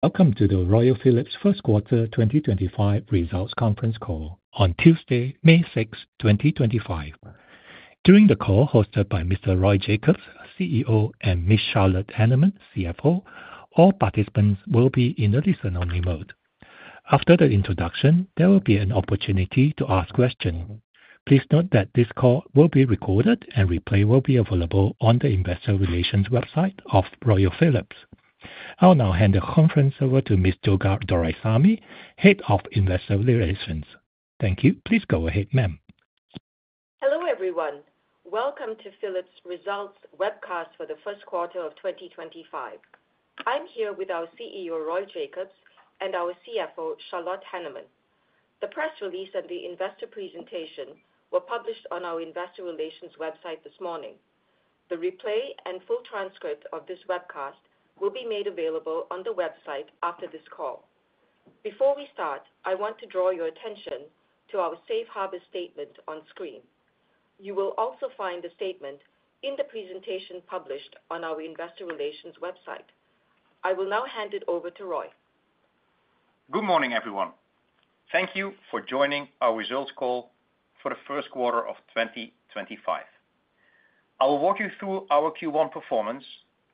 Welcome to the Royal Philips first quarter 2025 results conference call on Tuesday, May 6, 2025. During the call, hosted by Mr. Roy Jakobs, CEO, and Ms. Charlotte Hanneman, CFO, all participants will be in a listen-only mode. After the introduction, there will be an opportunity to ask questions. Please note that this call will be recorded, and replay will be available on the Investor Relations website of Royal Philips. I'll now hand the conference over to Ms. Durga Doraisamy, Head of Investor Relations. Thank you. Please go ahead, ma'am. Hello everyone. Welcome to Philips Results Webcast for the first quarter of 2025. I'm here with our CEO, Roy Jakobs, and our CFO, Charlotte Hanneman. The press release and the investor presentation were published on our Investor Relations website this morning. The replay and full transcript of this webcast will be made available on the website after this call. Before we start, I want to draw your attention to our Safe Harbor statement on screen. You will also find the statement in the presentation published on our Investor Relations website. I will now hand it over to Roy. Good morning, everyone. Thank you for joining our results call for the first quarter of 2025. I will walk you through our Q1 performance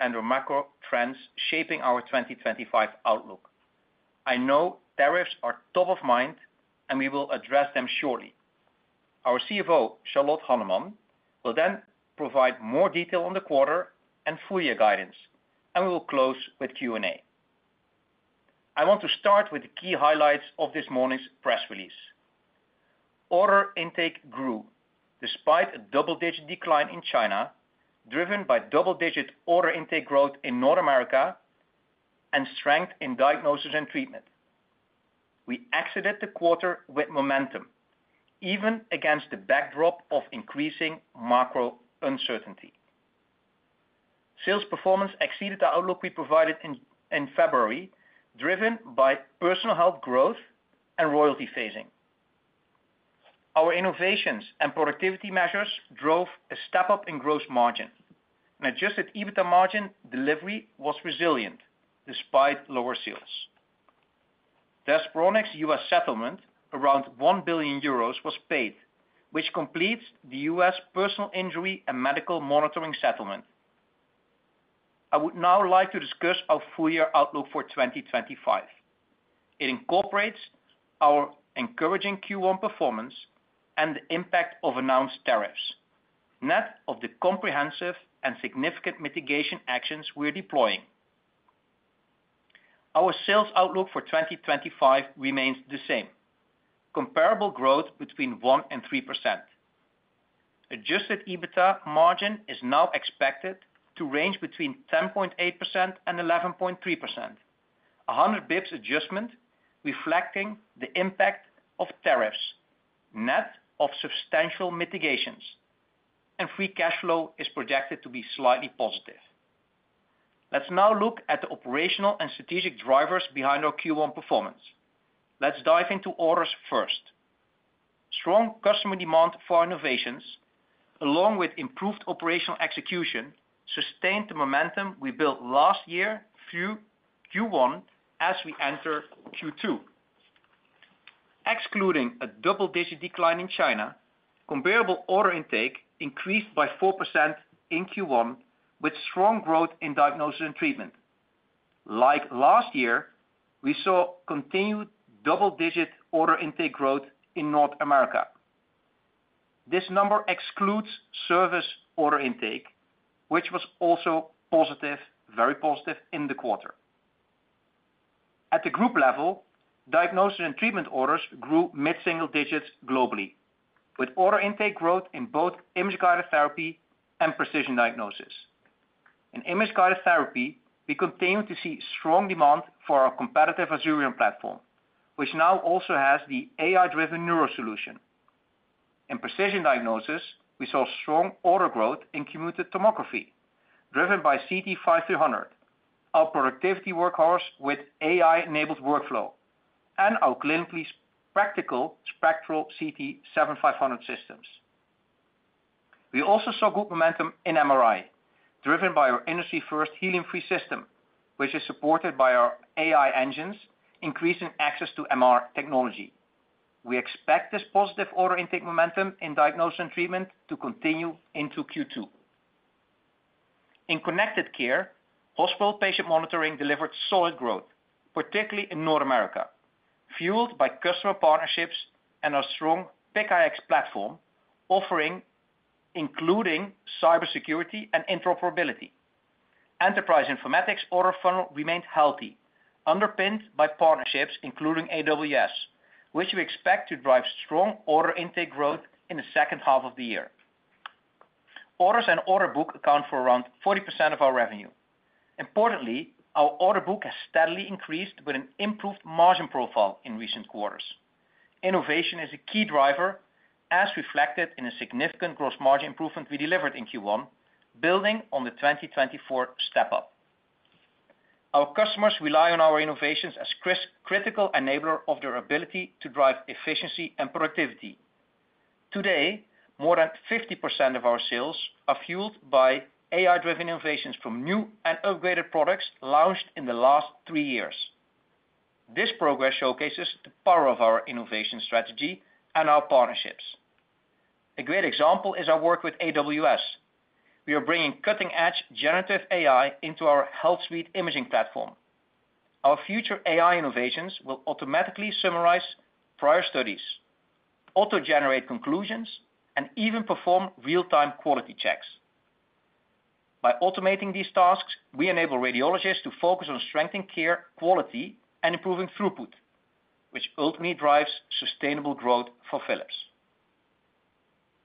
and the macro trends shaping our 2025 outlook. I know tariffs are top of mind, and we will address them shortly. Our CFO, Charlotte Hanneman, will then provide more detail on the quarter and four-year guidance, and we will close with Q&A. I want to start with the key highlights of this morning's press release. Order intake grew despite a double-digit decline in China, driven by double-digit order intake growth in North America and strength in diagnosis and treatment. We exited the quarter with momentum, even against the backdrop of increasing macro uncertainty. Sales performance exceeded the outlook we provided in February, driven by personal health growth and royalty phasing. Our innovations and productivity measures drove a step-up in gross margin. An adjusted EBITDA margin delivery was resilient despite lower sales. Thus, Bronex U.S. settlement around 1 billion euros was paid, which completes the U.S. personal injury and medical monitoring settlement. I would now like to discuss our four-year outlook for 2025. It incorporates our encouraging Q1 performance and the impact of announced tariffs, net of the comprehensive and significant mitigation actions we're deploying. Our sales outlook for 2025 remains the same: comparable growth between 1%-3%. Adjusted EBITDA margin is now expected to range between 10.8%-11.3%, a 100 basis points adjustment reflecting the impact of tariffs, net of substantial mitigations. Free cash flow is projected to be slightly positive. Let's now look at the operational and strategic drivers behind our Q1 performance. Let's dive into orders first. Strong customer demand for innovations, along with improved operational execution, sustained the momentum we built last year through Q1 as we enter Q2. Excluding a double-digit decline in China, comparable order intake increased by 4% in Q1, with strong growth in diagnosis and treatment. Like last year, we saw continued double-digit order intake growth in North America. This number excludes service order intake, which was also positive, very positive in the quarter. At the group level, diagnosis and treatment orders grew mid-single digits globally, with order intake growth in both image-guided therapy and precision diagnosis. In image-guided therapy, we continue to see strong demand for our competitive Azurion platform, which now also has the AI-driven neuro solution. In precision diagnosis, we saw strong order growth in computed tomography, driven by CT 5300, our productivity workhorse with AI-enabled workflow, and our clinically practical Spectral CT 7500 systems. We also saw good momentum in MRI, driven by our industry-first helium-free system, which is supported by our AI engines, increasing access to MR technology. We expect this positive order intake momentum in diagnosis and treatment to continue into Q2. In connected care, hospital patient monitoring delivered solid growth, particularly in North America, fueled by customer partnerships and our strong PIC iX platform, including cybersecurity and interoperability. Enterprise Informatics order funnel remained healthy, underpinned by partnerships, including AWS, which we expect to drive strong order intake growth in the second half of the year. Orders and order book account for around 40% of our revenue. Importantly, our order book has steadily increased with an improved margin profile in recent quarters. Innovation is a key driver, as reflected in a significant gross margin improvement we delivered in Q1, building on the 2024 step-up. Our customers rely on our innovations as a critical enabler of their ability to drive efficiency and productivity. Today, more than 50% of our sales are fueled by AI-driven innovations from new and upgraded products launched in the last three years. This progress showcases the power of our innovation strategy and our partnerships. A great example is our work with AWS. We are bringing cutting-edge generative AI into our HealthSuite Imaging platform. Our future AI innovations will automatically summarize prior studies, auto-generate conclusions, and even perform real-time quality checks. By automating these tasks, we enable radiologists to focus on strengthening care quality and improving throughput, which ultimately drives sustainable growth for Philips.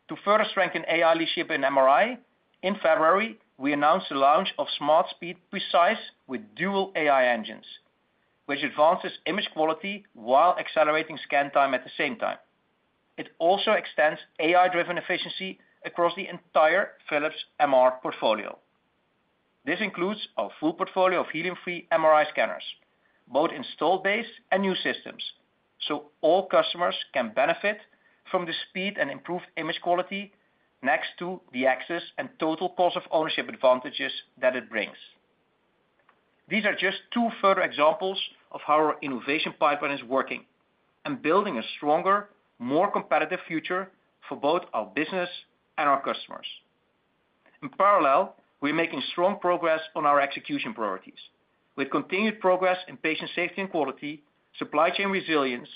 To further strengthen AI leadership in MRI, in February, we announced the launch of SmartSpeed Precise with dual AI engines, which advances image quality while accelerating scan time at the same time. It also extends AI-driven efficiency across the entire Philips MR portfolio. This includes our full portfolio of helium-free MRI scanners, both installed-base and new systems, so all customers can benefit from the speed and improved image quality next to the access and total cost of ownership advantages that it brings. These are just two further examples of how our innovation pipeline is working and building a stronger, more competitive future for both our business and our customers. In parallel, we are making strong progress on our execution priorities, with continued progress in patient safety and quality, supply chain resilience,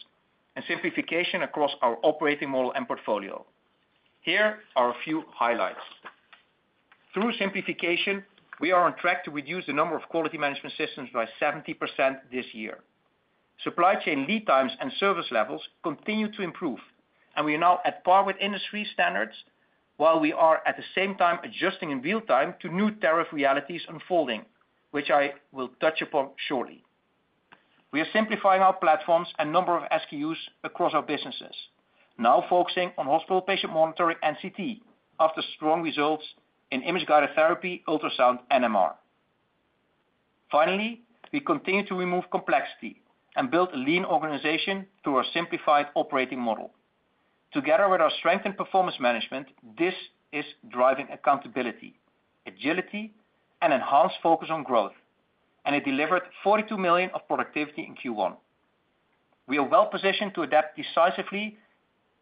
and simplification across our operating model and portfolio. Here are a few highlights. Through simplification, we are on track to reduce the number of quality management systems by 70% this year. Supply chain lead times and service levels continue to improve, and we are now at par with industry standards, while we are at the same time adjusting in real time to new tariff realities unfolding, which I will touch upon shortly. We are simplifying our platforms and number of SKUs across our businesses, now focusing on hospital patient monitoring and CT after strong results in image-guided therapy, ultrasound, and MR. Finally, we continue to remove complexity and build a lean organization through our simplified operating model. Together with our strengthened performance management, this is driving accountability, agility, and enhanced focus on growth, and it delivered 42 million of productivity in Q1. We are well-positioned to adapt decisively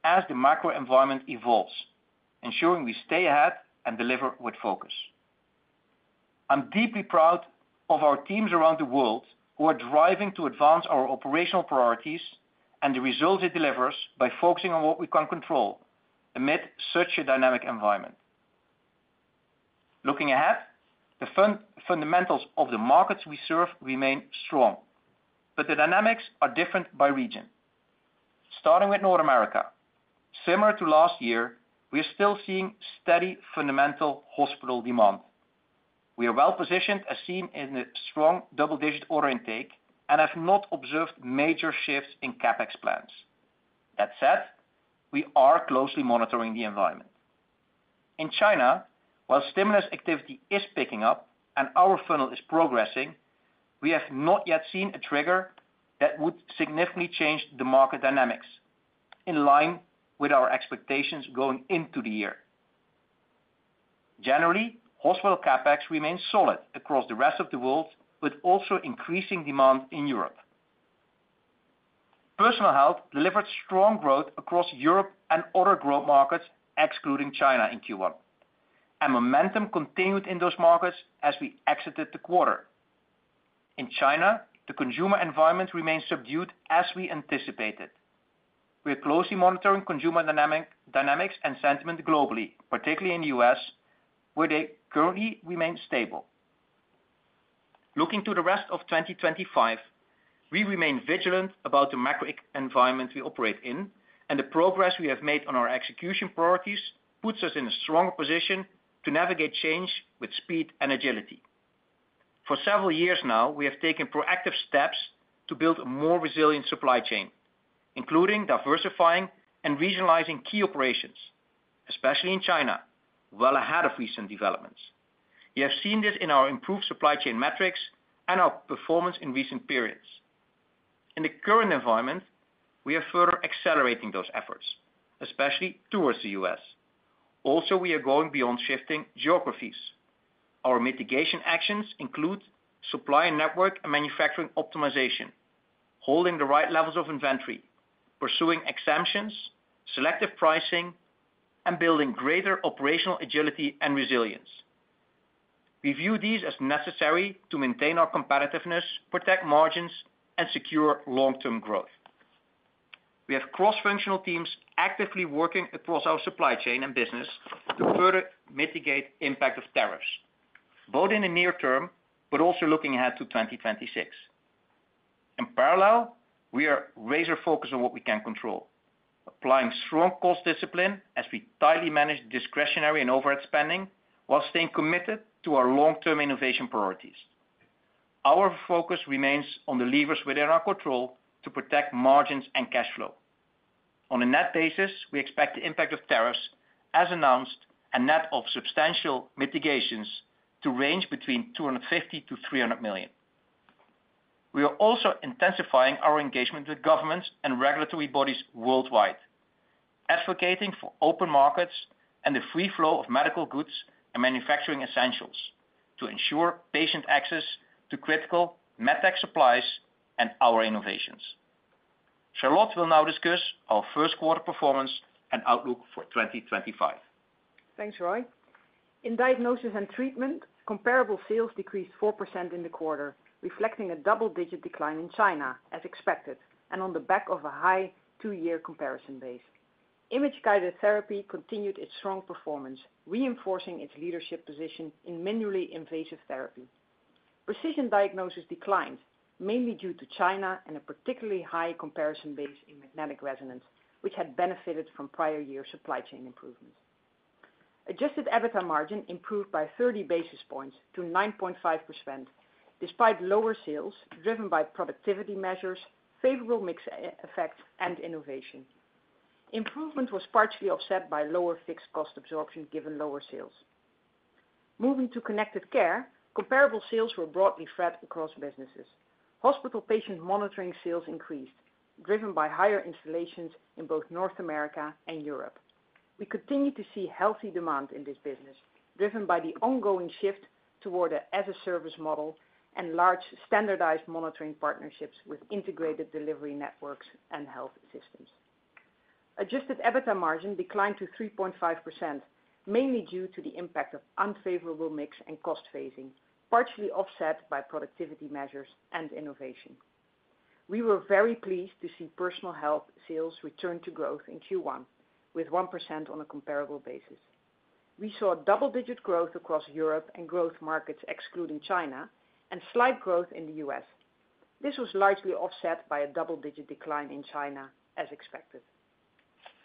as the macro environment evolves, ensuring we stay ahead and deliver with focus. I'm deeply proud of our teams around the world who are driving to advance our operational priorities and the results it delivers by focusing on what we can control amid such a dynamic environment. Looking ahead, the fundamentals of the markets we serve remain strong, but the dynamics are different by region. Starting with North America, similar to last year, we are still seeing steady fundamental hospital demand. We are well-positioned, as seen in the strong double-digit order intake, and have not observed major shifts in CapEx plans. That said, we are closely monitoring the environment. In China, while stimulus activity is picking up and our funnel is progressing, we have not yet seen a trigger that would significantly change the market dynamics in line with our expectations going into the year. Generally, hospital CapEx remains solid across the rest of the world, with also increasing demand in Europe. Personal health delivered strong growth across Europe and other growth markets, excluding China in Q1, and momentum continued in those markets as we exited the quarter. In China, the consumer environment remains subdued as we anticipated. We are closely monitoring consumer dynamics and sentiment globally, particularly in the U.S., where they currently remain stable. Looking to the rest of 2025, we remain vigilant about the macro environment we operate in, and the progress we have made on our execution priorities puts us in a stronger position to navigate change with speed and agility. For several years now, we have taken proactive steps to build a more resilient supply chain, including diversifying and regionalizing key operations, especially in China, well ahead of recent developments. You have seen this in our improved supply chain metrics and our performance in recent periods. In the current environment, we are further accelerating those efforts, especially towards the U.S. Also, we are going beyond shifting geographies. Our mitigation actions include supply and network and manufacturing optimization, holding the right levels of inventory, pursuing exemptions, selective pricing, and building greater operational agility and resilience. We view these as necessary to maintain our competitiveness, protect margins, and secure long-term growth. We have cross-functional teams actively working across our supply chain and business to further mitigate the impact of tariffs, both in the near term but also looking ahead to 2026. In parallel, we are razor-focused on what we can control, applying strong cost discipline as we tightly manage discretionary and overhead spending while staying committed to our long-term innovation priorities. Our focus remains on the levers within our control to protect margins and cash flow. On a net basis, we expect the impact of tariffs, as announced, net of substantial mitigations to range between 250 million-300 million. We are also intensifying our engagement with governments and regulatory bodies worldwide, advocating for open markets and the free flow of medical goods and manufacturing essentials to ensure patient access to critical medtech supplies and our innovations. Charlotte will now discuss our first-quarter performance and outlook for 2025. Thanks, Roy. In diagnosis and treatment, comparable sales decreased 4% in the quarter, reflecting a double-digit decline in China, as expected, and on the back of a high two-year comparison base. Image-guided therapy continued its strong performance, reinforcing its leadership position in minimally invasive therapy. Precision diagnosis declined, mainly due to China and a particularly high comparison base in magnetic resonance, which had benefited from prior year supply chain improvements. Adjusted EBITDA margin improved by 30 basis points to 9.5%, despite lower sales driven by productivity measures, favorable mix effects, and innovation. Improvement was partially offset by lower fixed cost absorption given lower sales. Moving to Connected Care, comparable sales were broadly flat across businesses. Hospital patient monitoring sales increased, driven by higher installations in both North America and Europe. We continue to see healthy demand in this business, driven by the ongoing shift toward an as-a-service model and large standardized monitoring partnerships with integrated delivery networks and health systems. Adjusted EBITDA margin declined to 3.5%, mainly due to the impact of unfavorable mix and cost phasing, partially offset by productivity measures and innovation. We were very pleased to see Personal Health sales return to growth in Q1, with 1% on a comparable basis. We saw double-digit growth across Europe and growth markets excluding China and slight growth in the U.S. This was largely offset by a double-digit decline in China, as expected.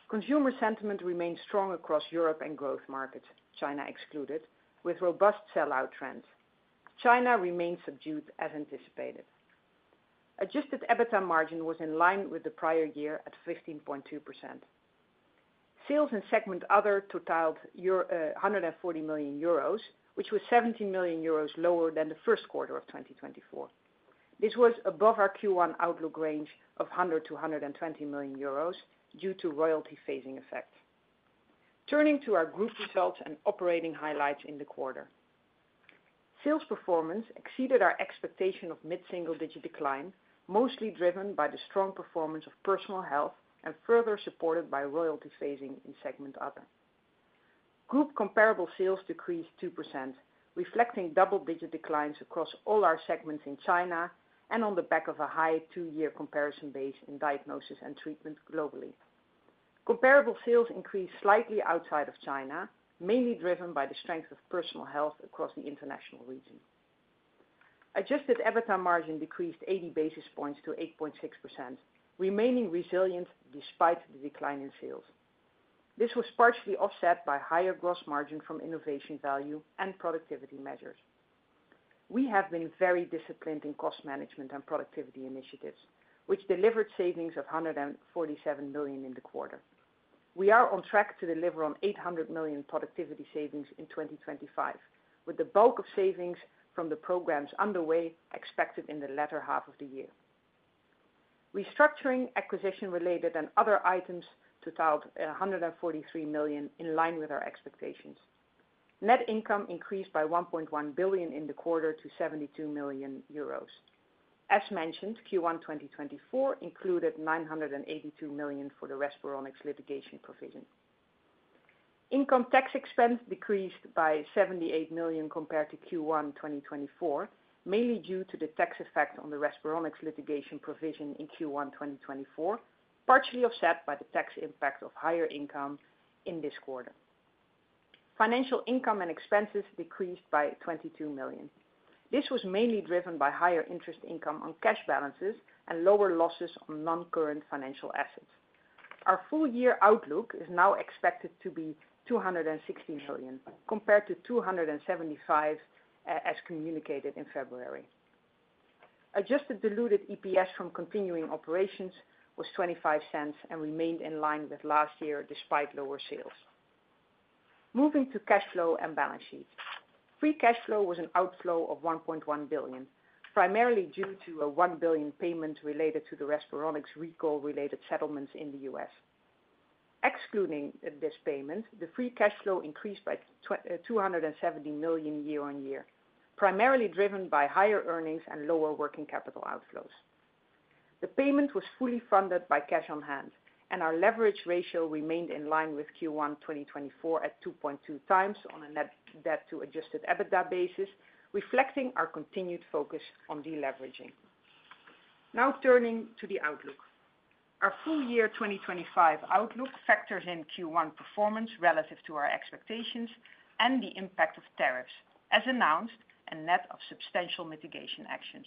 Consumer sentiment remained strong across Europe and growth markets, China excluded, with robust sell-out trends. China remained subdued, as anticipated. Adjusted EBITDA margin was in line with the prior year at 15.2%. Sales in segment Other totaled 140 million euros, which was 17 million euros lower than the first quarter of 2024. This was above our Q1 outlook range of 100-120 million euros due to royalty phasing effects. Turning to our group results and operating highlights in the quarter, sales performance exceeded our expectation of mid-single-digit decline, mostly driven by the strong performance of Personal Health and further supported by royalty phasing in segment Other. Group comparable sales decreased 2%, reflecting double-digit declines across all our segments in China and on the back of a high two-year comparison base in diagnosis and treatment globally. Comparable sales increased slightly outside of China, mainly driven by the strength of personal health across the international region. Adjusted EBITDA margin decreased 80 basis points to 8.6%, remaining resilient despite the decline in sales. This was partially offset by higher gross margin from innovation value and productivity measures. We have been very disciplined in cost management and productivity initiatives, which delivered savings of 147 million in the quarter. We are on track to deliver on 800 million productivity savings in 2025, with the bulk of savings from the programs underway expected in the latter half of the year. Restructuring, acquisition-related, and other items totaled 143 million in line with our expectations. Net income increased by 1.1 billion in the quarter to 72 million euros. As mentioned, Q1 2024 included 982 million for the Respironics litigation provision. Income tax expense decreased by 78 million compared to Q1 2024, mainly due to the tax effect on the Respironics litigation provision in Q1 2024, partially offset by the tax impact of higher income in this quarter. Financial income and expenses decreased by 22 million. This was mainly driven by higher interest income on cash balances and lower losses on non-current financial assets. Our full-year outlook is now expected to be 260 million compared to 275 million as communicated in February. Adjusted diluted EPS from continuing operations was 0.25 and remained in line with last year despite lower sales. Moving to cash flow and balance sheets, free cash flow was an outflow of 1.1 billion, primarily due to a 1 billion payment related to the Respironics recall-related settlements in the U.S. Excluding this payment, the free cash flow increased by 270 million year-on-year, primarily driven by higher earnings and lower working capital outflows. The payment was fully funded by cash on hand, and our leverage ratio remained in line with Q1 2024 at 2.2 times on a net debt-to-adjusted EBITDA basis, reflecting our continued focus on deleveraging. Now turning to the outlook, our full-year 2025 outlook factors in Q1 performance relative to our expectations and the impact of tariffs, as announced, and net of substantial mitigation actions.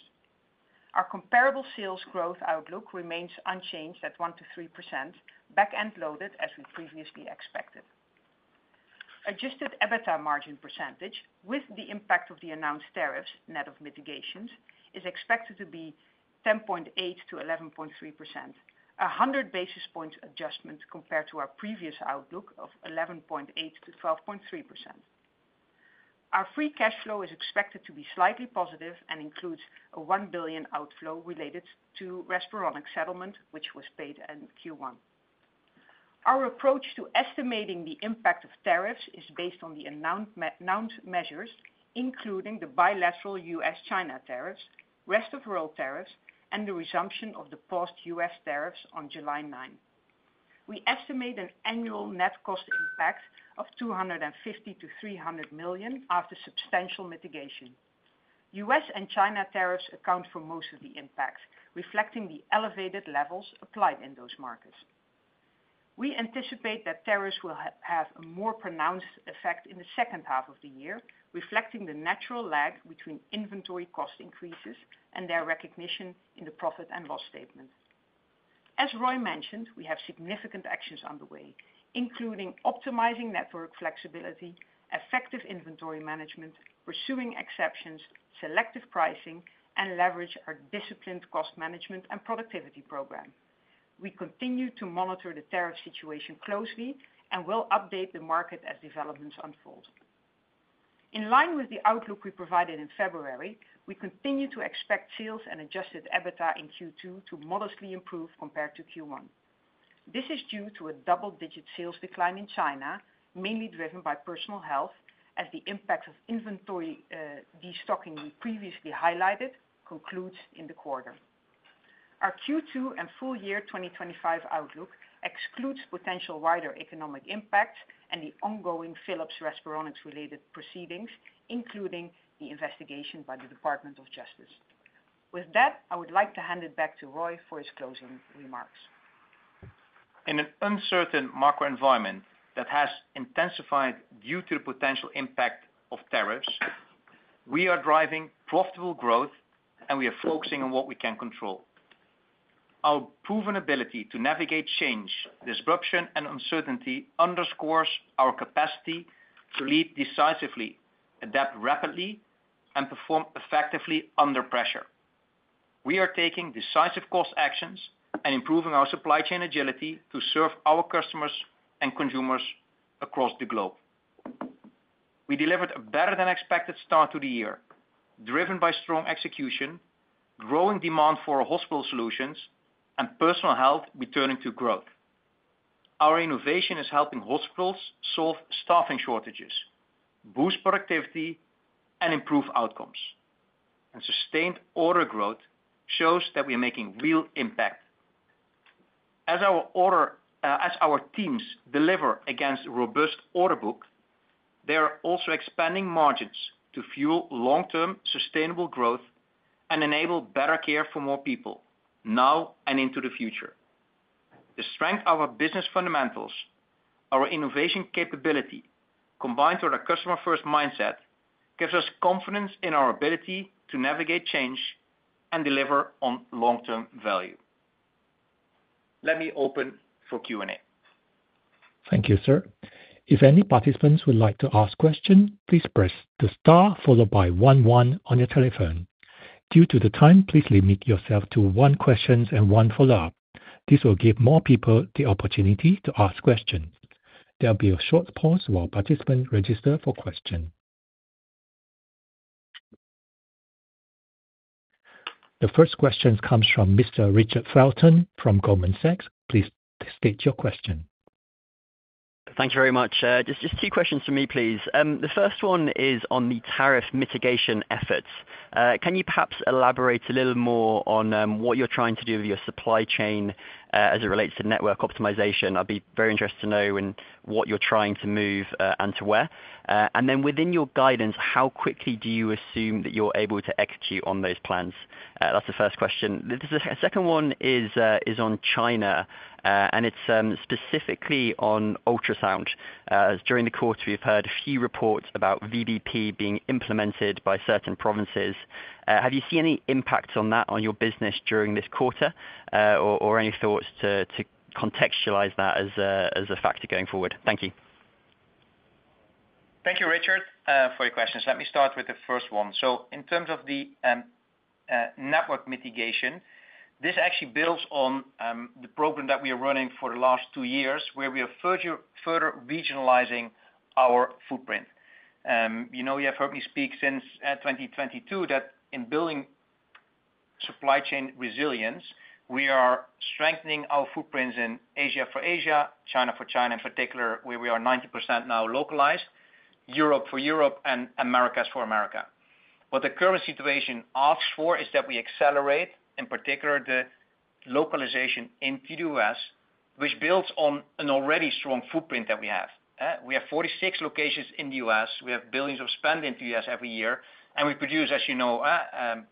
Our comparable sales growth outlook remains unchanged at 1%-3%, back-end loaded as we previously expected. Adjusted EBITDA margin percentage, with the impact of the announced tariffs, net of mitigations, is expected to be 10.8%-11.3%, a 100 basis point adjustment compared to our previous outlook of 11.8%-12.3%. Our free cash flow is expected to be slightly positive and includes a 1 billion outflow related to the Respironics settlement, which was paid in Q1. Our approach to estimating the impact of tariffs is based on the announced measures, including the bilateral U.S.-China tariffs, rest of world tariffs, and the resumption of the past U.S. tariffs on July 9. We estimate an annual net cost impact of 250 million-300 million after substantial mitigation. U.S. and China tariffs account for most of the impact, reflecting the elevated levels applied in those markets. We anticipate that tariffs will have a more pronounced effect in the second half of the year, reflecting the natural lag between inventory cost increases and their recognition in the profit and loss statement. As Roy mentioned, we have significant actions underway, including optimizing network flexibility, effective inventory management, pursuing exceptions, selective pricing, and leveraging our disciplined cost management and productivity program. We continue to monitor the tariff situation closely and will update the market as developments unfold. In line with the outlook we provided in February, we continue to expect sales and adjusted EBITDA in Q2 to modestly improve compared to Q1. This is due to a double-digit sales decline in China, mainly driven by personal health, as the impact of inventory destocking we previously highlighted concludes in the quarter. Our Q2 and full-year 2025 outlook excludes potential wider economic impacts and the ongoing Philips Respironics-related proceedings, including the investigation by the Department of Justice. With that, I would like to hand it back to Roy for his closing remarks. In an uncertain macro environment that has intensified due to the potential impact of tariffs, we are driving profitable growth, and we are focusing on what we can control. Our proven ability to navigate change, disruption, and uncertainty underscores our capacity to lead decisively, adapt rapidly, and perform effectively under pressure. We are taking decisive cost actions and improving our supply chain agility to serve our customers and consumers across the globe. We delivered a better-than-expected start to the year, driven by strong execution, growing demand for hospital solutions, and personal health returning to growth. Our innovation is helping hospitals solve staffing shortages, boost productivity, and improve outcomes. Sustained order growth shows that we are making real impact. As our teams deliver against a robust order book, they are also expanding margins to fuel long-term sustainable growth and enable better care for more people now and into the future. The strength of our business fundamentals, our innovation capability, combined with our customer-first mindset, gives us confidence in our ability to navigate change and deliver on long-term value. Let me open for Q&A. Thank you, sir. If any participants would like to ask a question, please press the star followed by 11 on your telephone. Due to the time, please limit yourself to one question and one follow-up. This will give more people the opportunity to ask questions. There will be a short pause while participants register for questions. The first question comes from Mr. Richard Felton from Goldman Sachs. Please state your question. Thank you very much. Just two questions from me, please. The first one is on the tariff mitigation efforts. Can you perhaps elaborate a little more on what you're trying to do with your supply chain as it relates to network optimization? I'd be very interested to know what you're trying to move and to where. Within your guidance, how quickly do you assume that you're able to execute on those plans? That's the first question. The second one is on China, and it's specifically on ultrasound. During the quarter, we've heard a few reports about VBP being implemented by certain provinces. Have you seen any impact on that on your business during this quarter, or any thoughts to contextualize that as a factor going forward? Thank you. Thank you, Richard, for your questions. Let me start with the first one. In terms of the network mitigation, this actually builds on the program that we are running for the last two years, where we are further regionalizing our footprint. You have heard me speak since 2022 that in building supply chain resilience, we are strengthening our footprints in Asia for Asia, China for China in particular, where we are 90% now localized, Europe for Europe, and Americas for America. What the current situation asks for is that we accelerate, in particular, the localization into the U.S., which builds on an already strong footprint that we have. We have 46 locations in the U.S. We have billions of spend in the U.S. every year. We produce, as you know,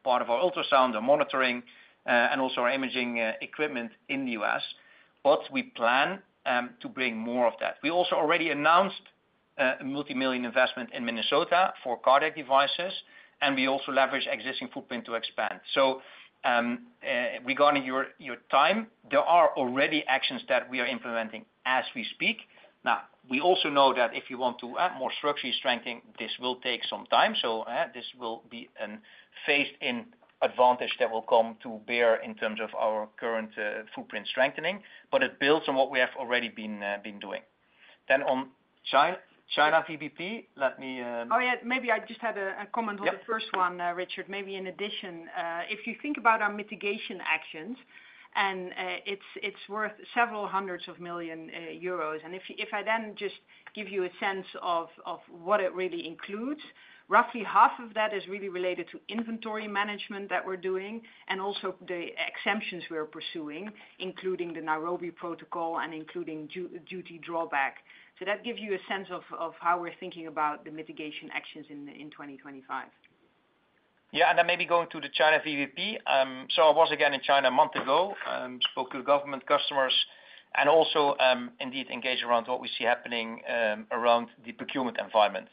part of our ultrasound, our monitoring, and also our imaging equipment in the U.S. We plan to bring more of that. We also already announced a multi-million investment in Minnesota for cardiac devices, and we also leverage existing footprint to expand. Regarding your time, there are already actions that we are implementing as we speak. We also know that if you want to add more structural strengthening, this will take some time. This will be a phased-in advantage that will come to bear in terms of our current footprint strengthening. It builds on what we have already been doing. On China VBP, let me. Oh, yeah, maybe I just had a comment on the first one, Richard. Maybe in addition, if you think about our mitigation actions, it's worth several hundreds of million euros. If I then just give you a sense of what it really includes, roughly half of that is really related to inventory management that we're doing and also the exemptions we're pursuing, including the Nairobi Protocol and including duty drawback. That gives you a sense of how we're thinking about the mitigation actions in 2025. Yeah, maybe going to the China VBP. I was again in China a month ago, spoke to government customers, and also indeed engaged around what we see happening around the procurement environment.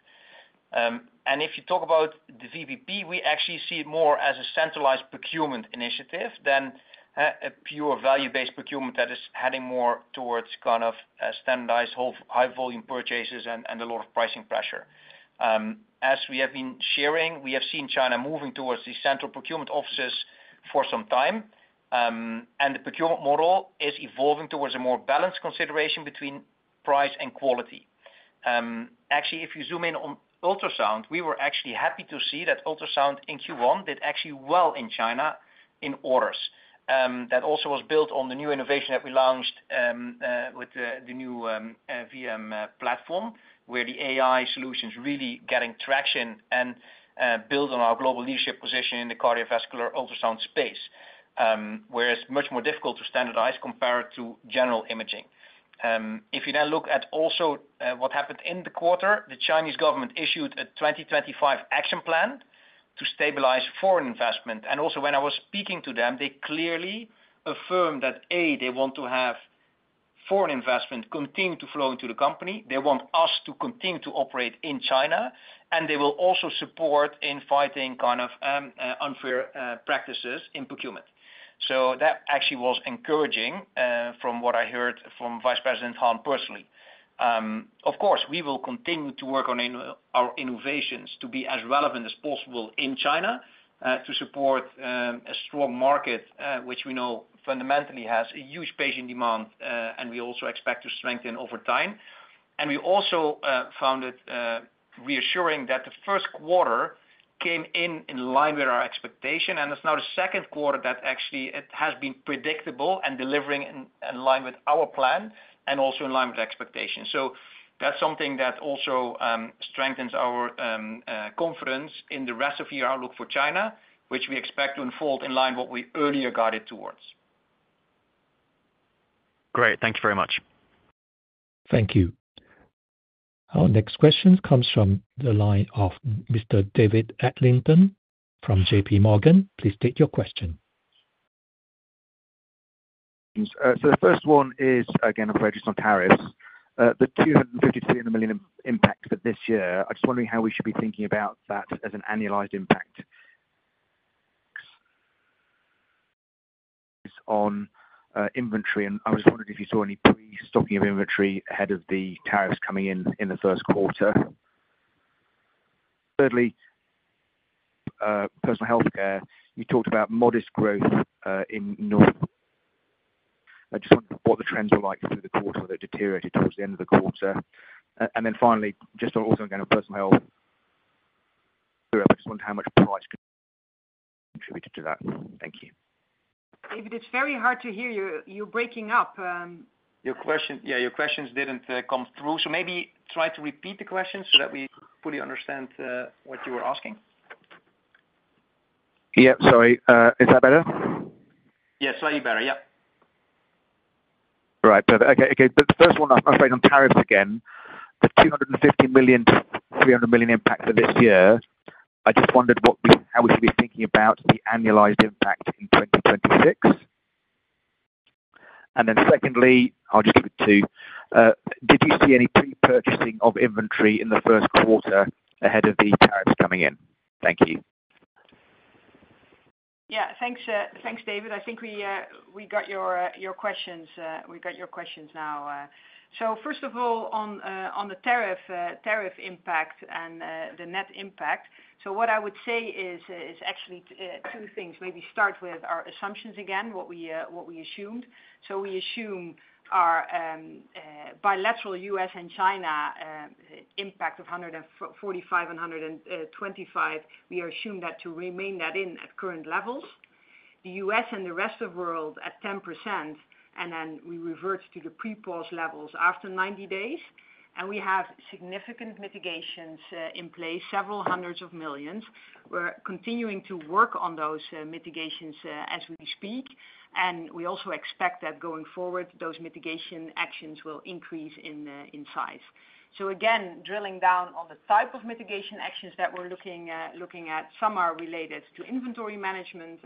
If you talk about the VBP, we actually see it more as a centralized procurement initiative than a pure value-based procurement that is heading more towards kind of standardized high-volume purchases and a lot of pricing pressure. As we have been sharing, we have seen China moving towards these central procurement offices for some time. The procurement model is evolving towards a more balanced consideration between price and quality. Actually, if you zoom in on ultrasound, we were actually happy to see that ultrasound in Q1 did actually well in China in orders. That also was built on the new innovation that we launched with the new VM Platform, where the AI solutions really getting traction and built on our global leadership position in the cardiovascular ultrasound space, where it is much more difficult to standardize compared to general imaging. If you then look at also what happened in the quarter, the Chinese government issued a 2025 action plan to stabilize foreign investment. Also, when I was speaking to them, they clearly affirmed that, A, they want to have foreign investment continue to flow into the company. They want us to continue to operate in China, and they will also support in fighting kind of unfair practices in procurement. That actually was encouraging from what I heard from Vice President Han personally. Of course, we will continue to work on our innovations to be as relevant as possible in China to support a strong market, which we know fundamentally has a huge patient demand, and we also expect to strengthen over time. We also found it reassuring that the first quarter came in in line with our expectation, and it's now the second quarter that actually it has been predictable and delivering in line with our plan and also in line with expectations. That is something that also strengthens our confidence in the rest of year outlook for China, which we expect to unfold in line with what we earlier guided towards. Great. Thank you very much. Thank you. Our next question comes from the line of Mr. David Adlington from JPMorgan. Please state your question. The first one is, again, a focus on tariffs. The 250 million-300 million impact for this year, I'm just wondering how we should be thinking about that as an annualized impact. On inventory, I was just wondering if you saw any pre-stocking of inventory ahead of the tariffs coming in in the first quarter. Thirdly, personal healthcare, you talked about modest growth in North. I just wondered what the trends were like through the quarter that deteriorated towards the end of the quarter. Finally, just also again on personal health, I just wondered how much price contributed to that. Thank you. David, it's very hard to hear you. You're breaking up. Yeah, your questions didn't come through. Maybe try to repeat the questions so that we fully understand what you were asking. Yeah, sorry. Is that better? Yeah, slightly better. Yeah. Right. Perfect. Okay. Okay. The first one, I'm afraid on tariffs again, the 250 million-300 million impact for this year, I just wondered how we should be thinking about the annualized impact in 2026. Secondly, I'll just give it to, did you see any pre-purchasing of inventory in the first quarter ahead of the tariffs coming in? Thank you. Yeah. Thanks, David. I think we got your questions. We got your questions now. First of all, on the tariff impact and the net impact, what I would say is actually two things. Maybe start with our assumptions again, what we assumed. We assume our bilateral U.S. and China impact of 145 million and 125 million. We assume that to remain that in at current levels. The U.S. and the rest of the world at 10%, and then we revert to the pre-pause levels after 90 days. We have significant mitigations in place, several hundreds of millions. We are continuing to work on those mitigations as we speak. We also expect that going forward, those mitigation actions will increase in size. Again, drilling down on the type of mitigation actions that we are looking at, some are related to inventory management,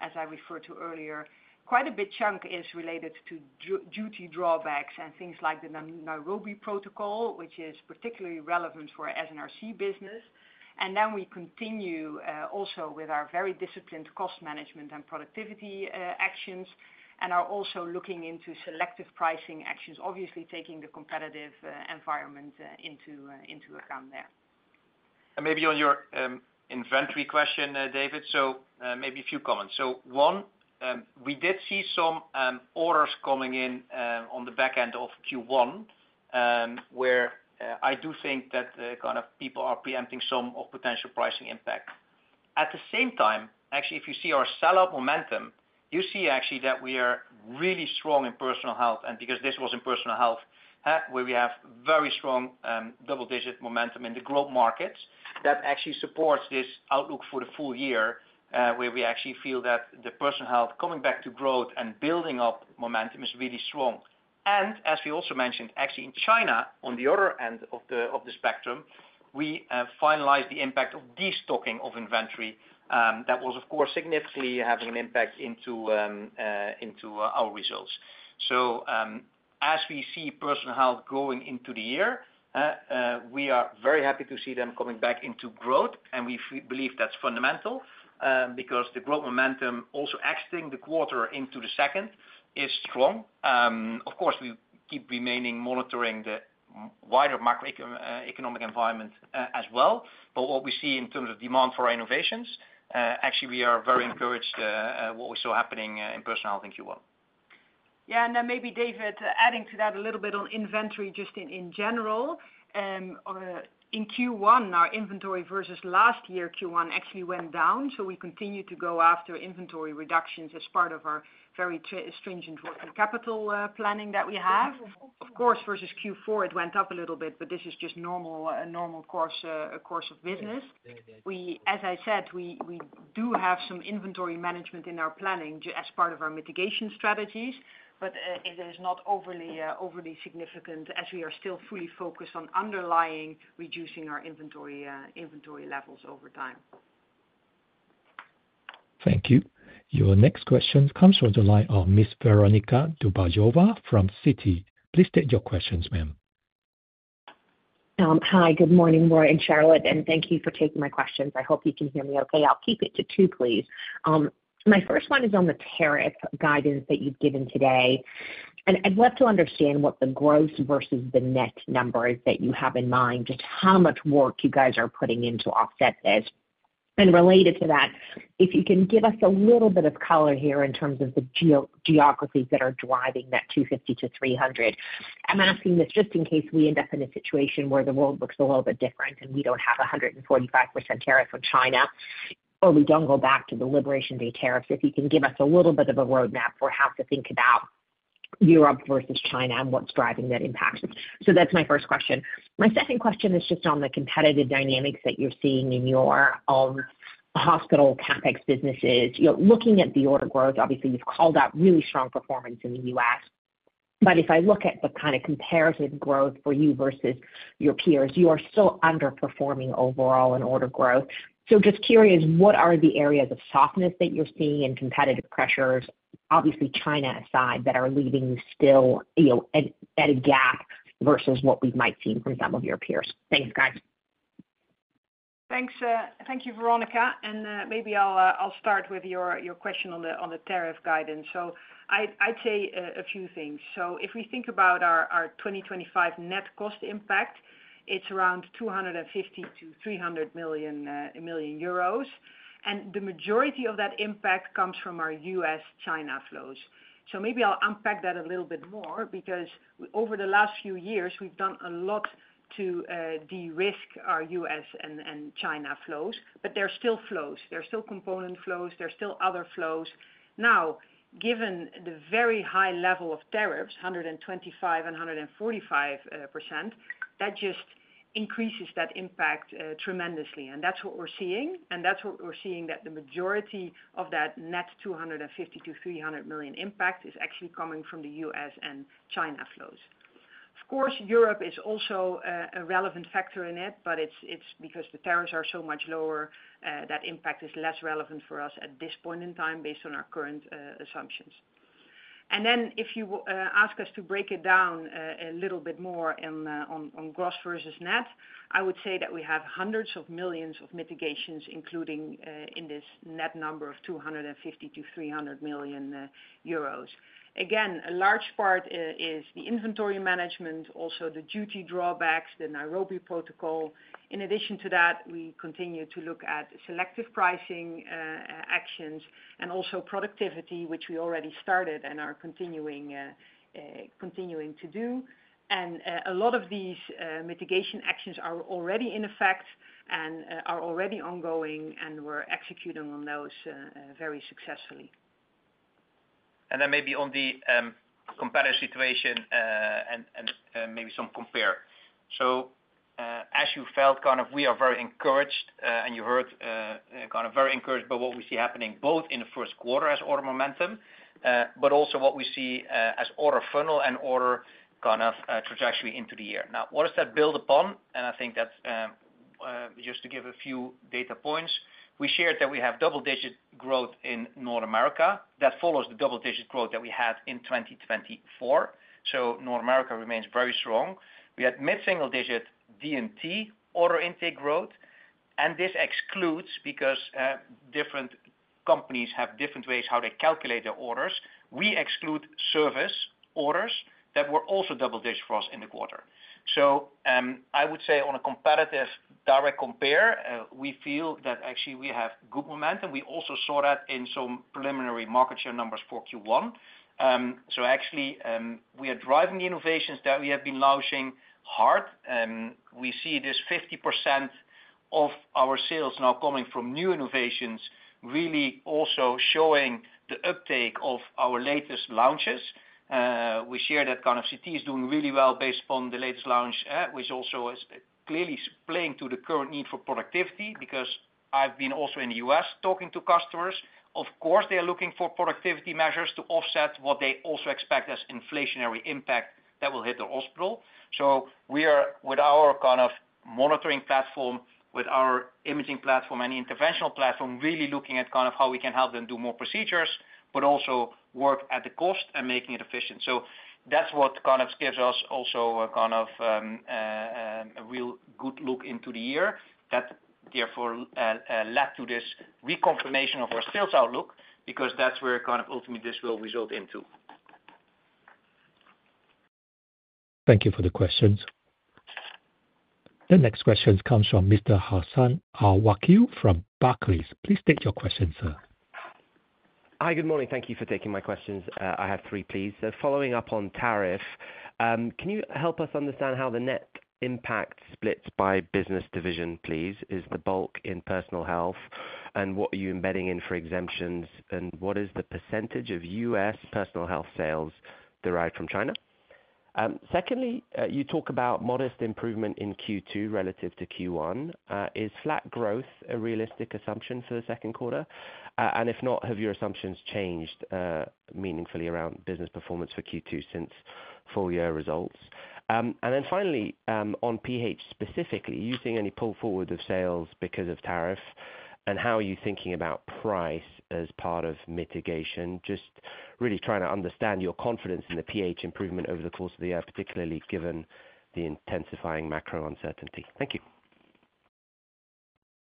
as I referred to earlier. Quite a big chunk is related to duty drawbacks and things like the Nairobi Protocol, which is particularly relevant for SNRC business. We continue also with our very disciplined cost management and productivity actions and are also looking into selective pricing actions, obviously taking the competitive environment into account there. Maybe on your inventory question, David, a few comments. One, we did see some orders coming in on the back end of Q1, where I do think that kind of people are preempting some of potential pricing impact. At the same time, actually, if you see our sellout momentum, you see actually that we are really strong in personal health. Because this was in personal health, where we have very strong double-digit momentum in the growth markets, that actually supports this outlook for the full year, where we actually feel that the personal health coming back to growth and building up momentum is really strong. As we also mentioned, actually in China, on the other end of the spectrum, we finalized the impact of destocking of inventory that was, of course, significantly having an impact into our results. As we see personal health going into the year, we are very happy to see them coming back into growth. We believe that's fundamental because the growth momentum also exiting the quarter into the second is strong. Of course, we keep remaining monitoring the wider macroeconomic environment as well. What we see in terms of demand for innovations, actually we are very encouraged what we saw happening in personal health in Q1. Yeah. Maybe, David, adding to that a little bit on inventory just in general. In Q1, our inventory versus last year Q1 actually went down. We continue to go after inventory reductions as part of our very stringent working capital planning that we have. Of course, versus Q4, it went up a little bit, but this is just normal course of business. As I said, we do have some inventory management in our planning as part of our mitigation strategies, but it is not overly significant as we are still fully focused on underlying reducing our inventory levels over time. Thank you. Your next question comes from the line of Miss Veronika Dubajova from Citi. Please state your questions, ma'am. Hi. Good morning, Roy and Charlotte. Thank you for taking my questions. I hope you can hear me okay. I'll keep it to two, please. My first one is on the tariff guidance that you've given today. I'd love to understand what the gross versus the net numbers that you have in mind, just how much work you guys are putting in to offset this. Related to that, if you can give us a little bit of color here in terms of the geographies that are driving that 250 million-300 million. I'm asking this just in case we end up in a situation where the world looks a little bit different and we don't have a 145% tariff on China, or we don't go back to the Liberation Day tariffs. If you can give us a little bit of a roadmap for how to think about Europe versus China and what's driving that impact. That's my first question. My second question is just on the competitive dynamics that you're seeing in your hospital CapEx businesses. Looking at the order growth, obviously, you've called out really strong performance in the U.S. If I look at the kind of comparative growth for you versus your peers, you are still underperforming overall in order growth. Just curious, what are the areas of softness that you're seeing in competitive pressures, obviously China aside, that are leaving you still at a gap versus what we might see from some of your peers? Thanks, guys. Thanks, Veronika. Maybe I'll start with your question on the tariff guidance. I'd say a few things. If we think about our 2025 net cost impact, it's around 250 million-300 million. The majority of that impact comes from our U.S.-China flows. Maybe I'll unpack that a little bit more because over the last few years, we've done a lot to de-risk our U.S. and China flows, but there are still flows. There are still component flows. There are still other flows. Now, given the very high level of tariffs, 125% and 145%, that just increases that impact tremendously. That's what we're seeing. That is what we're seeing, that the majority of that net 250 million-300 million impact is actually coming from the U.S. and China flows. Of course, Europe is also a relevant factor in it, but it's because the tariffs are so much lower, that impact is less relevant for us at this point in time based on our current assumptions. If you ask us to break it down a little bit more on gross versus net, I would say that we have hundreds of millions of mitigations, including in this net number of 250 million-300 million euros. Again, a large part is the inventory management, also the duty drawbacks, the Nairobi Protocol. In addition to that, we continue to look at selective pricing actions and also productivity, which we already started and are continuing to do. A lot of these mitigation actions are already in effect and are already ongoing, and we're executing on those very successfully. Maybe on the competitive situation and maybe some compare. As you felt, kind of we are very encouraged, and you heard kind of very encouraged by what we see happening both in the first quarter as order momentum, but also what we see as order funnel and order kind of trajectory into the year. Now, what does that build upon? I think that's just to give a few data points. We shared that we have double-digit growth in North America. That follows the double-digit growth that we had in 2024. North America remains very strong. We had mid-single-digit D&T order intake growth. This excludes because different companies have different ways how they calculate their orders. We exclude service orders that were also double-digit for us in the quarter. I would say on a competitive direct compare, we feel that actually we have good momentum. We also saw that in some preliminary market share numbers for Q1. Actually, we are driving the innovations that we have been launching hard. We see this 50% of our sales now coming from new innovations, really also showing the uptake of our latest launches. We share that kind of CT is doing really well based upon the latest launch, which also is clearly playing to the current need for productivity because I've been also in the U.S. talking to customers. Of course, they are looking for productivity measures to offset what they also expect as inflationary impact that will hit the hospital. We are, with our kind of monitoring platform, with our imaging platform and interventional platform, really looking at kind of how we can help them do more procedures, but also work at the cost and making it efficient. That is what kind of gives us also kind of a real good look into the year that therefore led to this reconfirmation of our sales outlook because that is where kind of ultimately this will result into. Thank you for the questions. The next question comes from Mr. Hassan Al-Wakeel from Barclays. Please state your question, sir. Hi, good morning. Thank you for taking my questions. I have three, please. Following up on tariff, can you help us understand how the net impact splits by business division, please? Is the bulk in personal health, and what are you embedding in for exemptions, and what is the percentage of U.S. personal health sales derived from China? Secondly, you talk about modest improvement in Q2 relative to Q1. Is flat growth a realistic assumption for the second quarter? If not, have your assumptions changed meaningfully around business performance for Q2 since full year results? Finally, on PH specifically, are you seeing any pull forward of sales because of tariff, and how are you thinking about price as part of mitigation? Just really trying to understand your confidence in the PH improvement over the course of the year, particularly given the intensifying macro uncertainty. Thank you.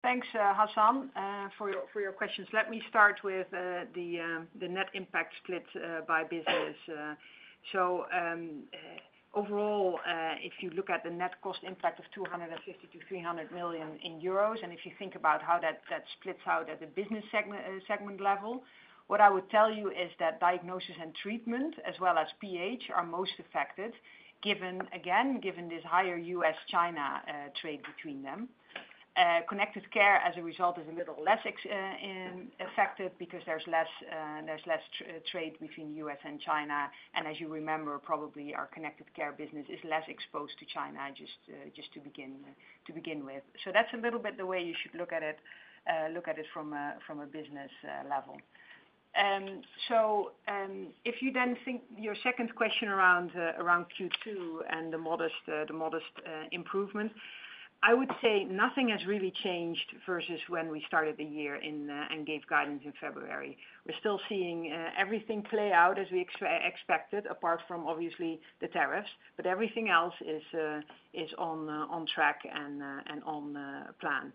Thanks, Hassan, for your questions. Let me start with the net impact split by business. Overall, if you look at the net cost impact of 250 million-300 million euros, and if you think about how that splits out at the business segment level, what I would tell you is that Diagnosis and Treatment, as well as PH, are most affected, again, given this higher U.S.-China trade between them. Connected Care, as a result, is a little less affected because there is less trade between the U.S. and China. As you remember, probably our Connected Care business is less exposed to China, just to begin with. That is a little bit the way you should look at it from a business level. If you then think your second question around Q2 and the modest improvement, I would say nothing has really changed versus when we started the year and gave guidance in February. We're still seeing everything play out as we expected, apart from obviously the tariffs, but everything else is on track and on plan.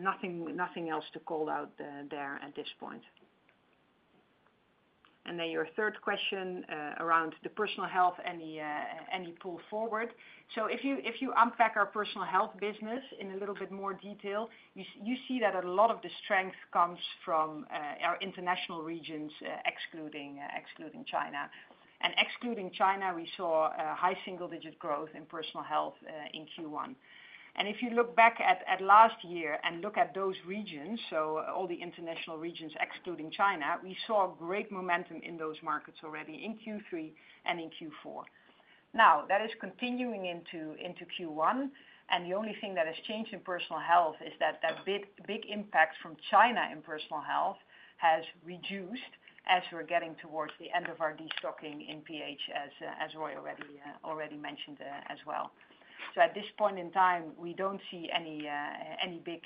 Nothing else to call out there at this point. Your third question around the personal health, any pull forward? If you unpack our personal health business in a little bit more detail, you see that a lot of the strength comes from our international regions, excluding China. Excluding China, we saw high single-digit growth in personal health in Q1. If you look back at last year and look at those regions, all the international regions excluding China, we saw great momentum in those markets already in Q3 and in Q4. That is continuing into Q1. The only thing that has changed in personal health is that that big impact from China in personal health has reduced as we're getting towards the end of our destocking in PH, as Roy already mentioned as well. At this point in time, we do not see any big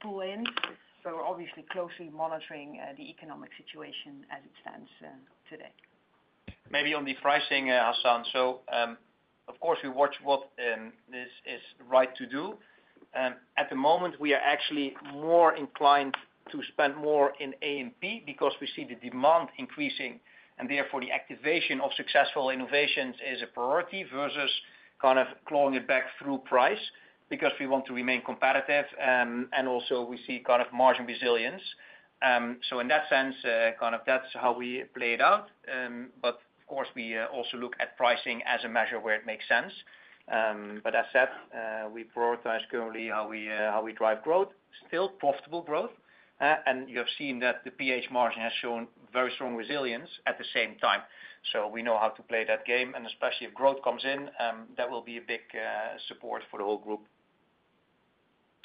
pull-ins. We are obviously closely monitoring the economic situation as it stands today. Maybe on the pricing, Hassan. Of course, we watch what is right to do. At the moment, we are actually more inclined to spend more in A&P because we see the demand increasing, and therefore the activation of successful innovations is a priority versus kind of clawing it back through price because we want to remain competitive. Also, we see kind of margin resilience. In that sense, kind of that's how we play it out. Of course, we also look at pricing as a measure where it makes sense. As said, we prioritize currently how we drive growth, still profitable growth. You have seen that the PH margin has shown very strong resilience at the same time. We know how to play that game. Especially if growth comes in, that will be a big support for the whole group.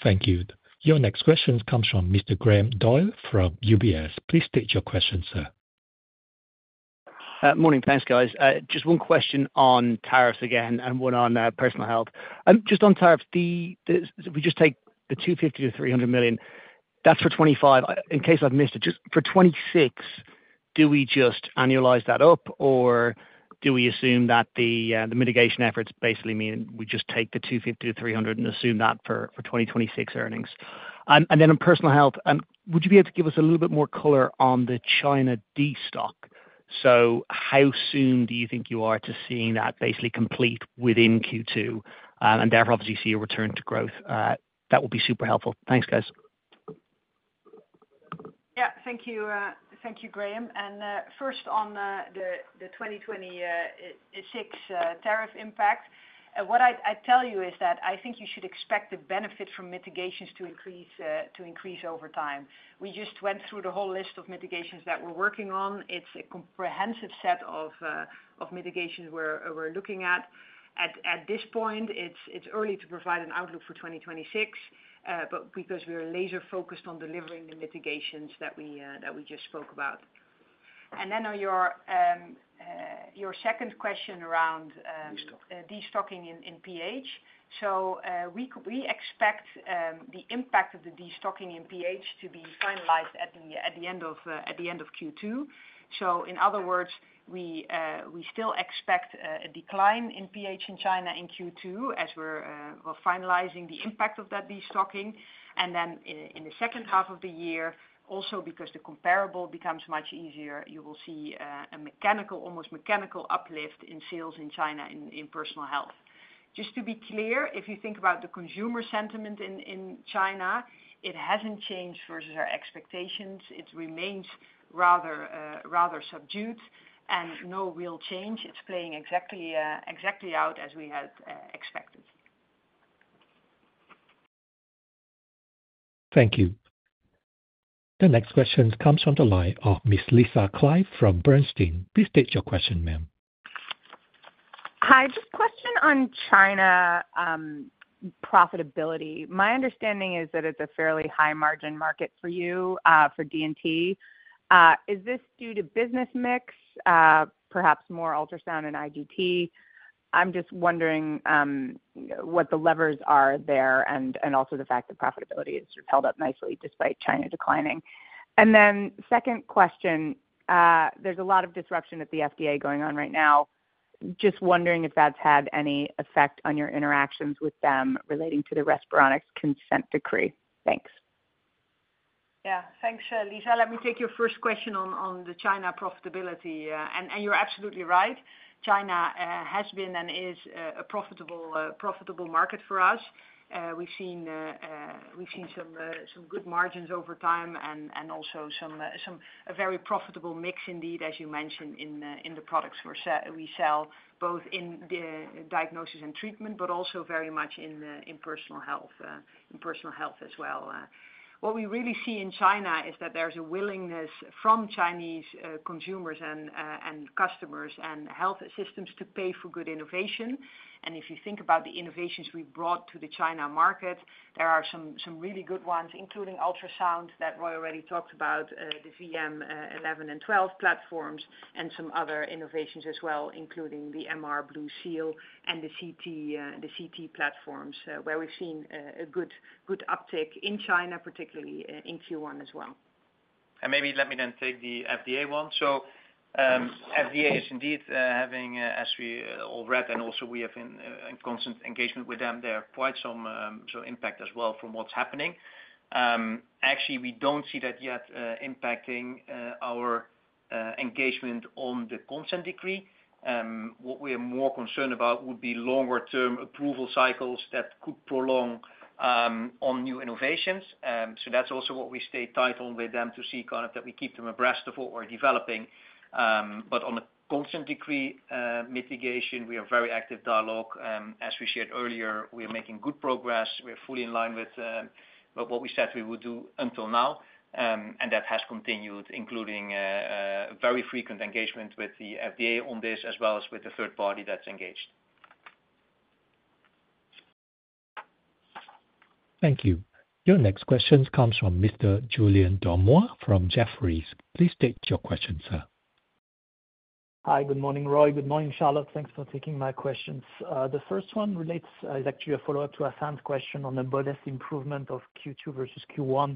Thank you. Your next question comes from Mr. Graham Doyle from UBS. Please state your question, sir. Morning. Thanks, guys. Just one question on tariffs again and one on personal health. Just on tariffs, if we just take the 250 million-300 million, that's for 2025. In case I've missed it, just for 2026, do we just annualize that up, or do we assume that the mitigation efforts basically mean we just take the 250 million-300 million and assume that for 2026 earnings? On personal health, would you be able to give us a little bit more color on the China destock? How soon do you think you are to seeing that basically complete within Q2? Therefore, obviously, you see a return to growth. That will be super helpful. Thanks, guys. Yeah. Thank you, Graham. First, on the 2026 tariff impact, what I'd tell you is that I think you should expect the benefit from mitigations to increase over time. We just went through the whole list of mitigations that we're working on. It's a comprehensive set of mitigations we're looking at. At this point, it's early to provide an outlook for 2026 because we are laser-focused on delivering the mitigations that we just spoke about. On your second question around destocking in PH, we expect the impact of the destocking in PH to be finalized at the end of Q2. In other words, we still expect a decline in PH in China in Q2 as we're finalizing the impact of that destocking. In the second half of the year, also because the comparable becomes much easier, you will see a mechanical, almost mechanical uplift in sales in China in personal health. Just to be clear, if you think about the consumer sentiment in China, it hasn't changed versus our expectations. It remains rather subdued and no real change. It's playing exactly out as we had expected. Thank you. The next question comes from the line of Ms. Lisa Clive from Bernstein. Please state your question, ma'am. Hi. Just a question on China profitability. My understanding is that it's a fairly high-margin market for you, for D&T. Is this due to business mix, perhaps more ultrasound and IGT? I'm just wondering what the levers are there and also the fact that profitability has held up nicely despite China declining. Second question, there's a lot of disruption at the FDA going on right now. Just wondering if that's had any effect on your interactions with them relating to the Respironics consent decree. Thanks. Yeah. Thanks, Lisa. Let me take your first question on the China profitability. And you're absolutely right. China has been and is a profitable market for us. We've seen some good margins over time and also some very profitable mix, indeed, as you mentioned, in the products we sell, both in diagnosis and treatment, but also very much in personal health as well. What we really see in China is that there's a willingness from Chinese consumers and customers and health systems to pay for good innovation. If you think about the innovations we brought to the China market, there are some really good ones, including ultrasounds that Roy already talked about, the VM11 and 12 platforms, and some other innovations as well, including the MR BlueSeal and the CT platforms, where we've seen a good uptick in China, particularly in Q1 as well. Maybe let me then take the FDA one. FDA is indeed having, as we all read, and also we have in constant engagement with them, there are quite some impact as well from what's happening. Actually, we don't see that yet impacting our engagement on the consent decree. What we are more concerned about would be longer-term approval cycles that could prolong on new innovations. That is also what we stay tight on with them to see kind of that we keep them abreast of what we're developing. On the consent decree mitigation, we are very active dialogue. As we shared earlier, we are making good progress. We're fully in line with what we said we would do until now. That has continued, including very frequent engagement with the FDA on this, as well as with the third party that's engaged. Thank you. Your next question comes from Mr. Julien Dormois from Jefferies. Please state your question, sir. Hi, good morning, Roy. Good morning, Charlotte. Thanks for taking my questions. The first one relates, is actually a follow-up to Hassan's question on the modest improvement of Q2 versus Q1.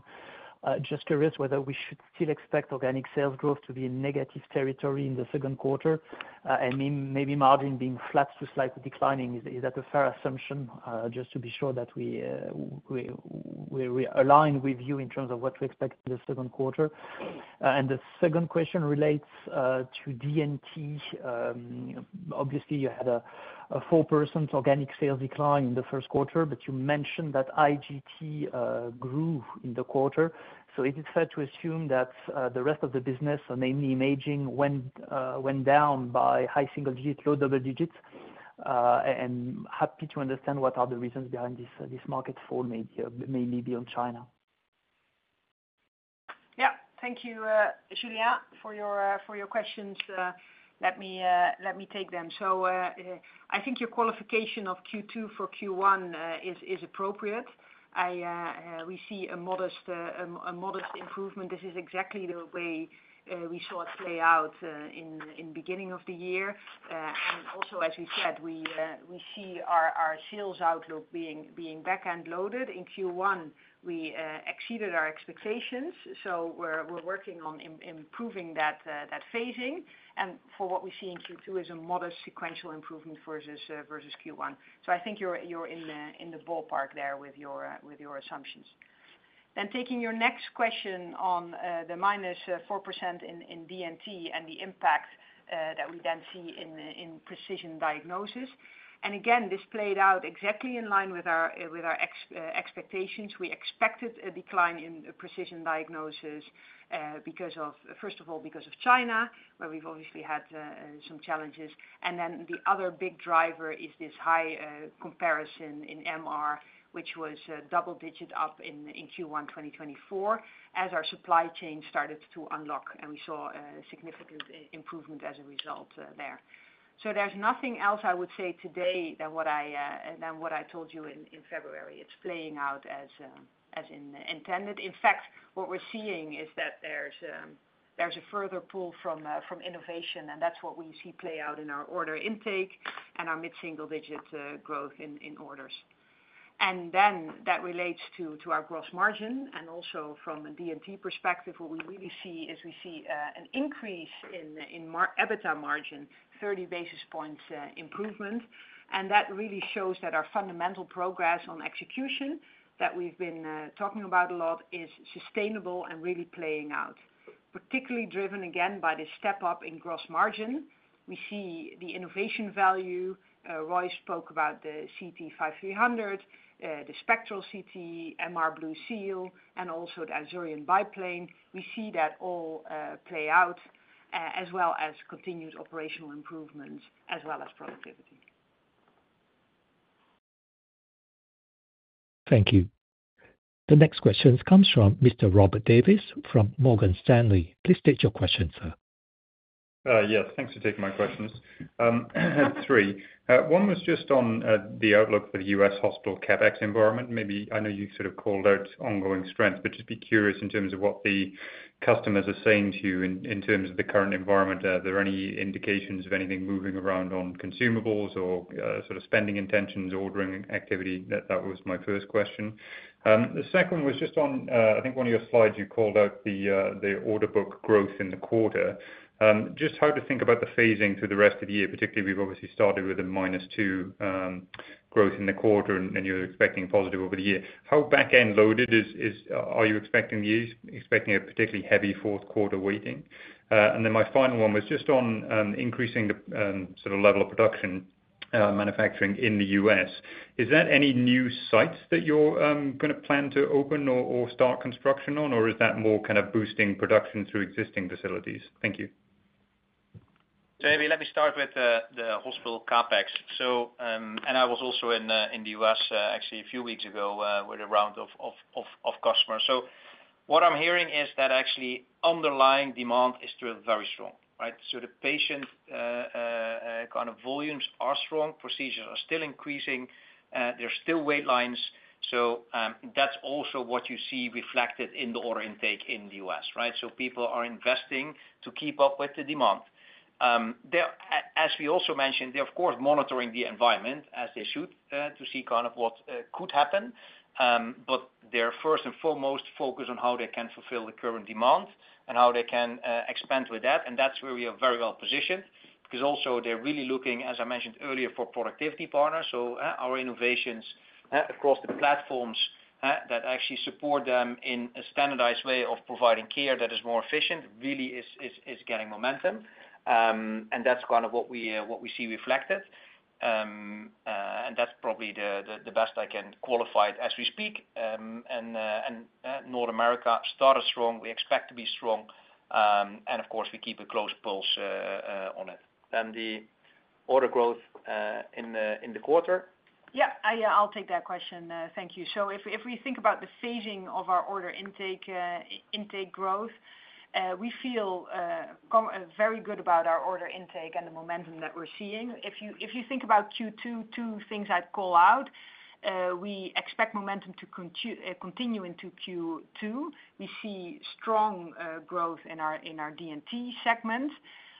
Just curious whether we should still expect organic sales growth to be in negative territory in the second quarter, and maybe margin being flat to slightly declining. Is that a fair assumption? Just to be sure that we align with you in terms of what to expect in the second quarter. The second question relates to D&T. Obviously, you had a 4% organic sales decline in the first quarter, but you mentioned that IGT grew in the quarter. Is it fair to assume that the rest of the business, namely imaging, went down by high single digits, low double digits? Happy to understand what are the reasons behind this market fall, mainly beyond China. Thank you, Julien, for your questions. Let me take them. I think your qualification of Q2 for Q1 is appropriate. We see a modest improvement. This is exactly the way we saw it play out in the beginning of the year. Also, as we said, we see our sales outlook being backhand loaded. In Q1, we exceeded our expectations. We are working on improving that phasing. For what we see in Q2 is a modest sequential improvement versus Q1. I think you are in the ballpark there with your assumptions. Taking your next question on the -4% in D&T and the impact that we then see in Precision Diagnosis. Again, this played out exactly in line with our expectations. We expected a decline in Precision Diagnosis because of, first of all, because of China, where we've obviously had some challenges. The other big driver is this high comparison in MR, which was double-digit up in Q1 2024, as our supply chain started to unlock. We saw a significant improvement as a result there. There is nothing else I would say today than what I told you in February. It is playing out as intended. In fact, what we are seeing is that there is a further pull from innovation. That is what we see play out in our order intake and our mid-single digit growth in orders. That relates to our gross margin. Also, from a D&T perspective, what we really see is we see an increase in EBITDA margin, 30 basis points improvement. That really shows that our fundamental progress on execution that we've been talking about a lot is sustainable and really playing out, particularly driven again by the step-up in gross margin. We see the innovation value. Roy spoke about the CT 5300, the Spectral CT, MR BlueSeal, and also the Azurion biplane. We see that all play out, as well as continued operational improvements, as well as productivity. Thank you. The next question comes from Mr. Robert Davis from Morgan Stanley. Please state your question, sir. Yes. Thanks for taking my questions. Three. One was just on the outlook for the U.S. hospital CapEx environment. Maybe I know you sort of called out ongoing strengths, but just be curious in terms of what the customers are saying to you in terms of the current environment. Are there any indications of anything moving around on consumables or sort of spending intentions, ordering activity? That was my first question. The second was just on, I think, one of your slides. You called out the order book growth in the quarter. Just how to think about the phasing through the rest of the year, particularly we've obviously started with a minus 2% growth in the quarter, and you're expecting positive over the year. How backhand loaded are you expecting the year? Are you expecting a particularly heavy fourth quarter waiting? And then my final one was just on increasing the sort of level of production manufacturing in the U.S. Is that any new sites that you're going to plan to open or start construction on, or is that more kind of boosting production through existing facilities? Thank you. Maybe let me start with the hospital CapEx. I was also in the U.S., actually, a few weeks ago with a round of customers. What I'm hearing is that actually underlying demand is still very strong, right? The patient kind of volumes are strong. Procedures are still increasing. There are still wait lines. That is also what you see reflected in the order intake in the U.S., right? People are investing to keep up with the demand. As we also mentioned, they are, of course, monitoring the environment as they should to see kind of what could happen. They are first and foremost focused on how they can fulfill the current demand and how they can expand with that. That is where we are very well positioned because also they are really looking, as I mentioned earlier, for productivity partners. Our innovations across the platforms that actually support them in a standardized way of providing care that is more efficient really is getting momentum. That is kind of what we see reflected. That is probably the best I can qualify it as we speak. North America started strong. We expect to be strong. Of course, we keep a close pulse on it. The order growth in the quarter? Yeah. I'll take that question. Thank you. If we think about the phasing of our order intake growth, we feel very good about our order intake and the momentum that we're seeing. If you think about Q2, two things I'd call out. We expect momentum to continue into Q2. We see strong growth in our D&T segment.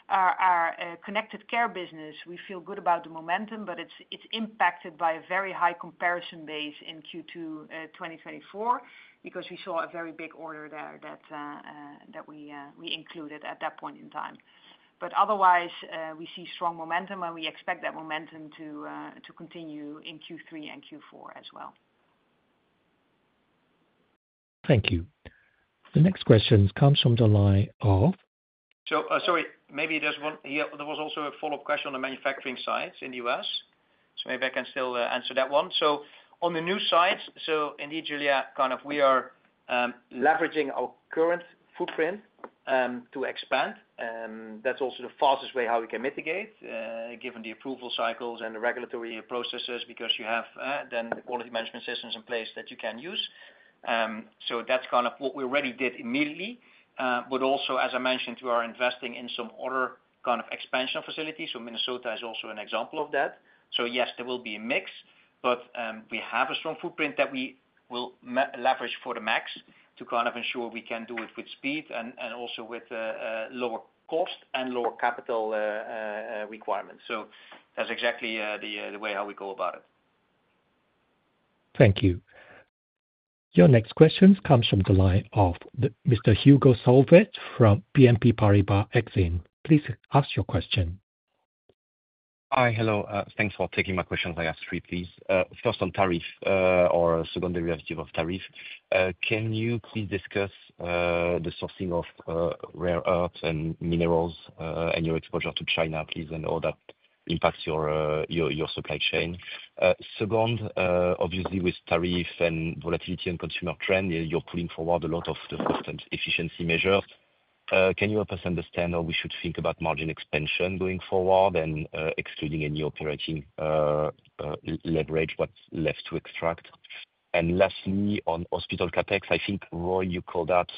Our connected care business, we feel good about the momentum, but it's impacted by a very high comparison base in Q2 2024 because we saw a very big order there that we included at that point in time. Otherwise, we see strong momentum, and we expect that momentum to continue in Q3 and Q4 as well. Thank you. The next question comes from the line of. Sorry, maybe there was also a follow-up question on the manufacturing sites in the U.S. Maybe I can still answer that one. On the new sites, indeed, Julien, we are leveraging our current footprint to expand. That's also the fastest way we can mitigate, given the approval cycles and the regulatory processes because you have then the quality management systems in place that you can use. That's what we already did immediately. Also, as I mentioned, we are investing in some other kind of expansion facilities. Minnesota is also an example of that. Yes, there will be a mix, but we have a strong footprint that we will leverage for the max to kind of ensure we can do it with speed and also with lower cost and lower capital requirements. That is exactly the way how we go about it. Thank you. Your next question comes from the line of Mr. Hugo Solvet from BNP Paribas Exane. Please ask your question. Hi, hello. Thanks for taking my question. I have three pieces. First, on tariff or secondary relative of tariff. Can you please discuss the sourcing of rare earths and minerals and your exposure to China, please, and how that impacts your supply chain? Second, obviously, with tariff and volatility and consumer trend, you're pulling forward a lot of efficiency measures. Can you help us understand how we should think about margin expansion going forward and excluding any operating leverage, what's left to extract? And lastly, on hospital CapEx, I think, Roy, you called out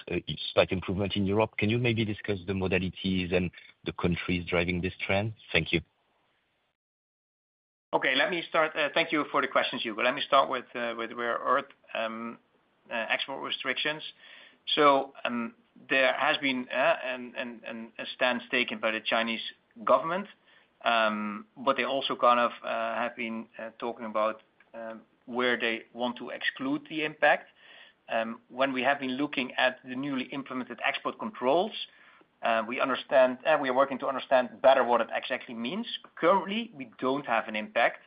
slight improvement in Europe. Can you maybe discuss the modalities and the countries driving this trend? Thank you. Okay. Thank you for the questions, Hugo. Let me start with rare earth export restrictions. There has been a stance taken by the Chinese government, but they also kind of have been talking about where they want to exclude the impact. When we have been looking at the newly implemented export controls, we understand, and we are working to understand better what it actually means. Currently, we don't have an impact,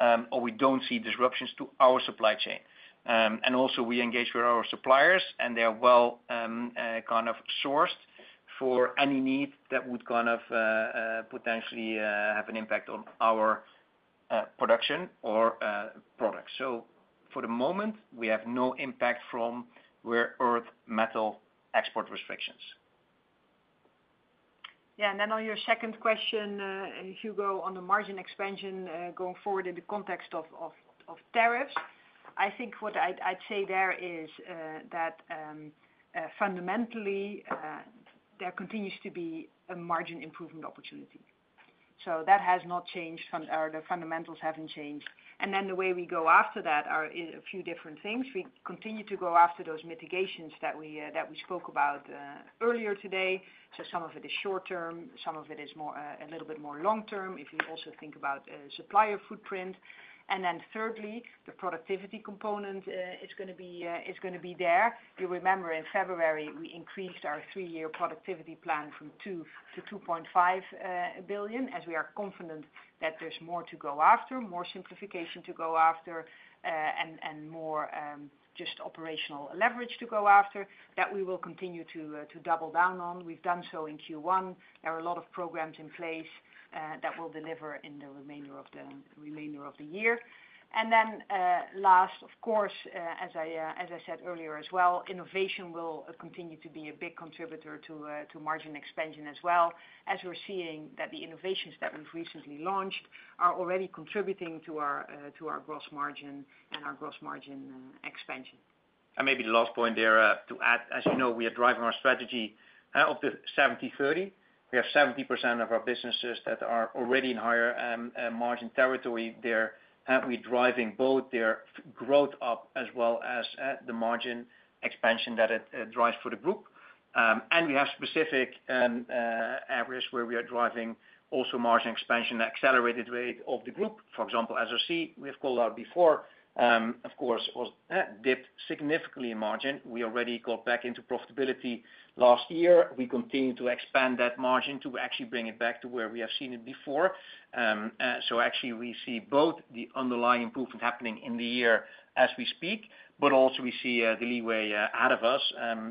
or we don't see disruptions to our supply chain. We engage with our suppliers, and they are well kind of sourced for any need that would kind of potentially have an impact on our production or products. For the moment, we have no impact from rare earth metal export restrictions. Yeah. On your second question, Hugo, on the margin expansion going forward in the context of tariffs, I think what I'd say there is that fundamentally, there continues to be a margin improvement opportunity. That has not changed. The fundamentals haven't changed. The way we go after that are a few different things. We continue to go after those mitigations that we spoke about earlier today. Some of it is short-term. Some of it is a little bit more long-term if you also think about supplier footprint. Thirdly, the productivity component is going to be there. You remember, in February, we increased our three-year productivity plan from 2 billion to 2.5 billion, as we are confident that there's more to go after, more simplification to go after, and more just operational leverage to go after that we will continue to double down on. We've done so in Q1. There are a lot of programs in place that will deliver in the remainder of the year. Last, of course, as I said earlier as well, innovation will continue to be a big contributor to margin expansion as well, as we're seeing that the innovations that we've recently launched are already contributing to our gross margin and our gross margin expansion. Maybe the last point there to add, as you know, we are driving our strategy of the 70/30. We have 70% of our businesses that are already in higher margin territory there. We're driving both their growth up as well as the margin expansion that it drives for the group. We have specific areas where we are driving also margin expansion, accelerated rate of the group. For example, as I see, we have called out before, of course, was dipped significantly in margin. We already got back into profitability last year. We continue to expand that margin to actually bring it back to where we have seen it before. Actually, we see both the underlying improvement happening in the year as we speak, but also we see the leeway ahead of us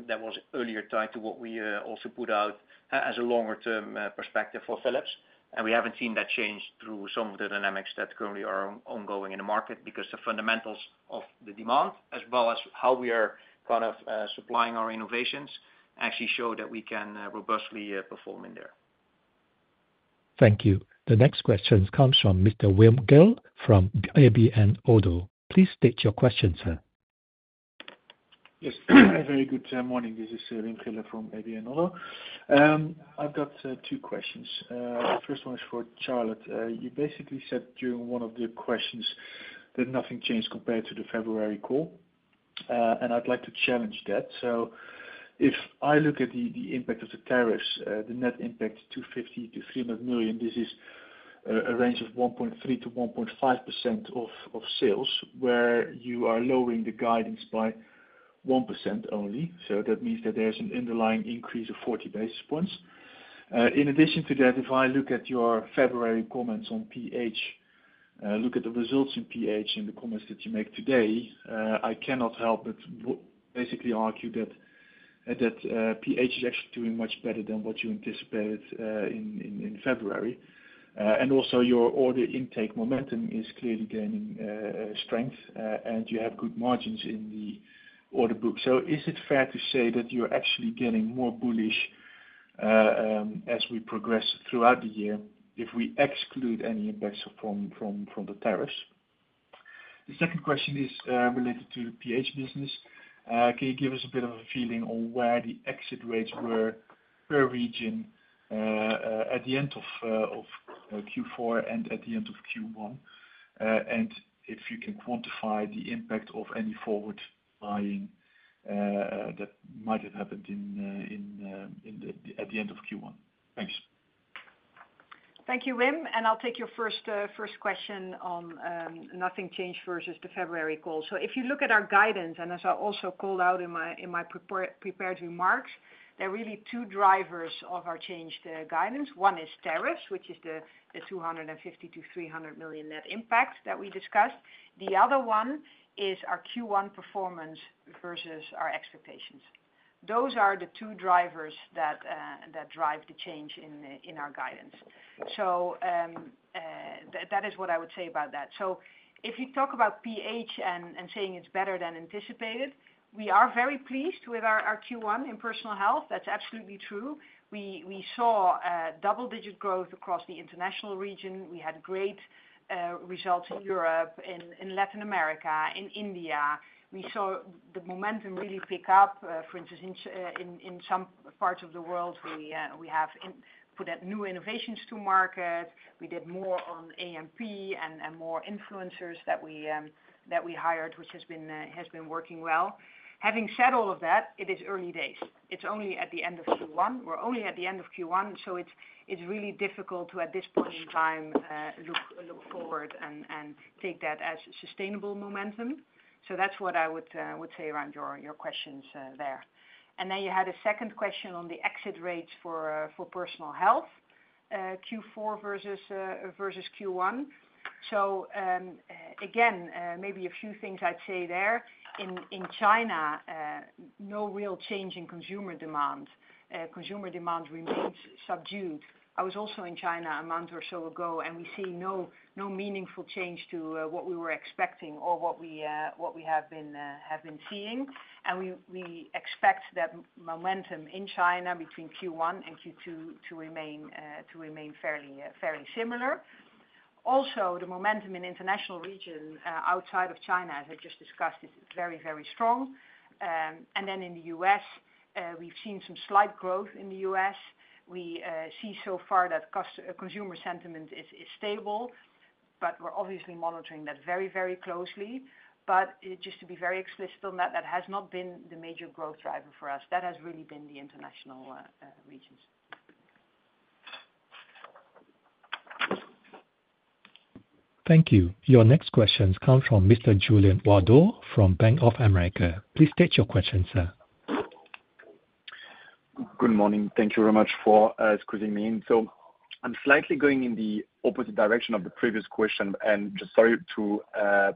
that was earlier tied to what we also put out as a longer-term perspective for Philips. We have not seen that change through some of the dynamics that currently are ongoing in the market because the fundamentals of the demand, as well as how we are kind of supplying our innovations, actually show that we can robustly perform in there. Thank you. The next question comes from Mr. Wilmkill from ABN-Oddo. Please state your question, sir. Yes. Very good morning. This is Wilmkill from ABN-Oddo. I have got two questions. The first one is for Charlotte. You basically said during one of the questions that nothing changed compared to the February call. I would like to challenge that. If I look at the impact of the tariffs, the net impact is 250 million-300 million. This is a range of 1.3%-1.5% of sales, where you are lowering the guidance by 1% only. That means that there's an underlying increase of 40 basis points. In addition to that, if I look at your February comments on PH, look at the results in PH and the comments that you make today, I cannot help but basically argue that PH is actually doing much better than what you anticipated in February. Also, your order intake momentum is clearly gaining strength, and you have good margins in the order book. Is it fair to say that you're actually getting more bullish as we progress throughout the year if we exclude any impacts from the tariffs? The second question is related to the PH business. Can you give us a bit of a feeling on where the exit rates were per region at the end of Q4 and at the end of Q1? If you can quantify the impact of any forward buying that might have happened at the end of Q1. Thanks. Thank you, Wim. I'll take your first question on nothing changed versus the February call. If you look at our guidance, and as I also called out in my prepared remarks, there are really two drivers of our changed guidance. One is tariffs, which is the 250 million-300 million net impact that we discussed. The other one is our Q1 performance versus our expectations. Those are the two drivers that drive the change in our guidance. That is what I would say about that. If you talk about PH and saying it's better than anticipated, we are very pleased with our Q1 in personal health. That's absolutely true. We saw double-digit growth across the international region. We had great results in Europe, in Latin America, in India. We saw the momentum really pick up. For instance, in some parts of the world, we have put new innovations to market. We did more on AMP and more influencers that we hired, which has been working well. Having said all of that, it is early days. It's only at the end of Q1. We're only at the end of Q1. It is really difficult to, at this point in time, look forward and take that as sustainable momentum. That is what I would say around your questions there. You had a second question on the exit rates for personal health, Q4 versus Q1. Again, maybe a few things I'd say there. In China, no real change in consumer demand. Consumer demand remains subdued. I was also in China a month or so ago, and we see no meaningful change to what we were expecting or what we have been seeing. We expect that momentum in China between Q1 and Q2 to remain fairly similar. Also, the momentum in the international region outside of China, as I just discussed, is very, very strong. In the U.S., we've seen some slight growth in the U.S. We see so far that consumer sentiment is stable, but we're obviously monitoring that very, very closely. Just to be very explicit on that, that has not been the major growth driver for us. That has really been the international regions. Thank you. Your next questions come from Mr. Julien Ouaddour from Bank of America. Please state your question, sir. Good morning. Thank you very much for squeezing me in. I'm slightly going in the opposite direction of the previous question, and just sorry to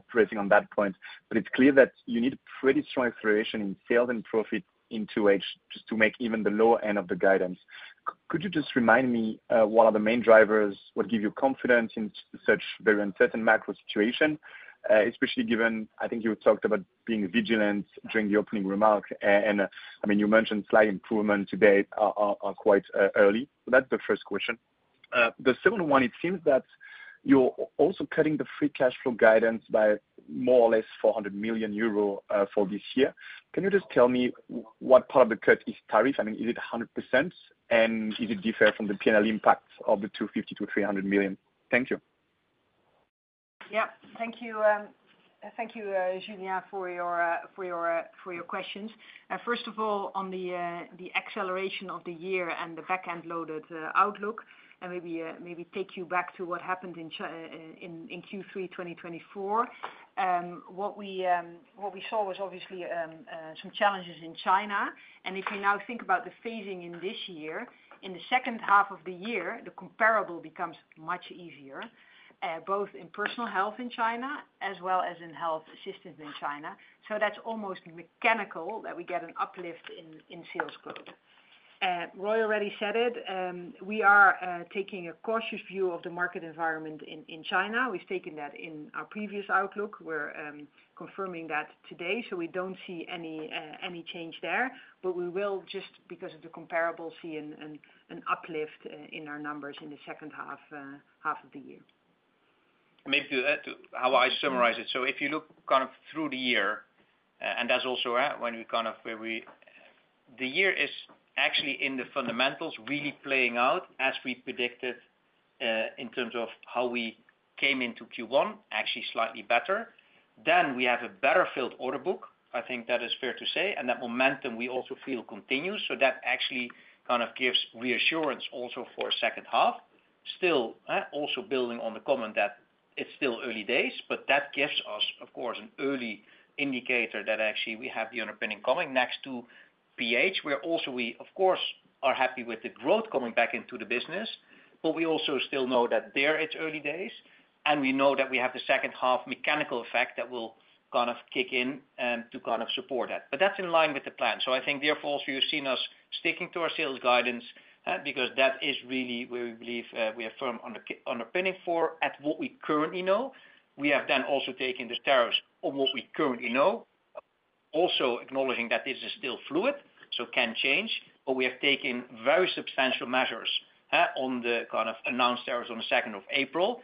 press on that point. It's clear that you need pretty strong acceleration in sales and profit in Q4 just to make even the lower end of the guidance. Could you just remind me what are the main drivers, what gives you confidence in such very uncertain macro situation, especially given I think you talked about being vigilant during the opening remark, and I mean, you mentioned slight improvement today quite early. That's the first question. The second one, it seems that you're also cutting the free cash flow guidance by more or less 400 million euro for this year. Can you just tell me what part of the cut is tariff? I mean, is it 100%, and is it different from the P&L impact of the 250 million-300 million? Thank you. Yep. Thank you, Julien, for your questions. First of all, on the acceleration of the year and the back-end loaded outlook, and maybe take you back to what happened in Q3 2024, what we saw was obviously some challenges in China. If you now think about the phasing in this year, in the second half of the year, the comparable becomes much easier, both in personal health in China as well as in health systems in China. That is almost mechanical that we get an uplift in sales growth. Roy already said it. We are taking a cautious view of the market environment in China. We have taken that in our previous outlook. We are confirming that today. We do not see any change there. We will, just because of the comparable, see an uplift in our numbers in the second half of the year. Maybe how I summarize it. If you look kind of through the year, and that's also when we kind of the year is actually in the fundamentals really playing out as we predicted in terms of how we came into Q1, actually slightly better. We have a better-filled order book. I think that is fair to say. That momentum we also feel continues. That actually kind of gives reassurance also for the second half. Still also building on the comment that it's still early days, but that gives us, of course, an early indicator that actually we have the underpinning coming next to PH, where also we, of course, are happy with the growth coming back into the business. We also still know that there it's early days, and we know that we have the second half mechanical effect that will kind of kick in to kind of support that. That is in line with the plan. I think therefore you have seen us sticking to our sales guidance because that is really where we believe we have firm underpinning for at what we currently know. We have then also taken the tariffs on what we currently know, also acknowledging that this is still fluid, so can change. We have taken very substantial measures on the kind of announced tariffs on the 2nd of April.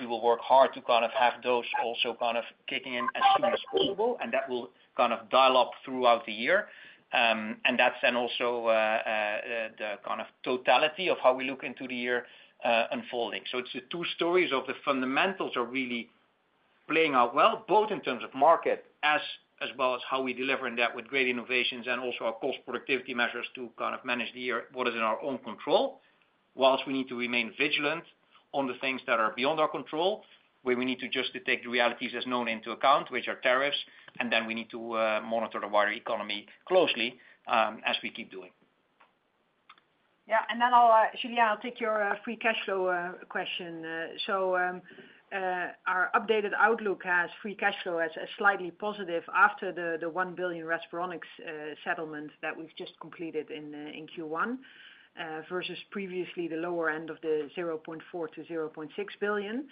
We will work hard to have those also kicking in as soon as possible, and that will dial up throughout the year. That is then also the totality of how we look into the year unfolding. The two stories of the fundamentals are really playing out well, both in terms of market as well as how we deliver in that with great innovations and also our cost productivity measures to kind of manage the year what is in our own control, whilst we need to remain vigilant on the things that are beyond our control, where we need to just take the realities as known into account, which are tariffs. We need to monitor the wider economy closely as we keep doing. Yeah. Julien, I'll take your free cash flow question. Our updated outlook has free cash flow as slightly positive after the 1 billion Respironics settlement that we've just completed in Q1 versus previously the lower end of the 0.4 billion-0.6 billion.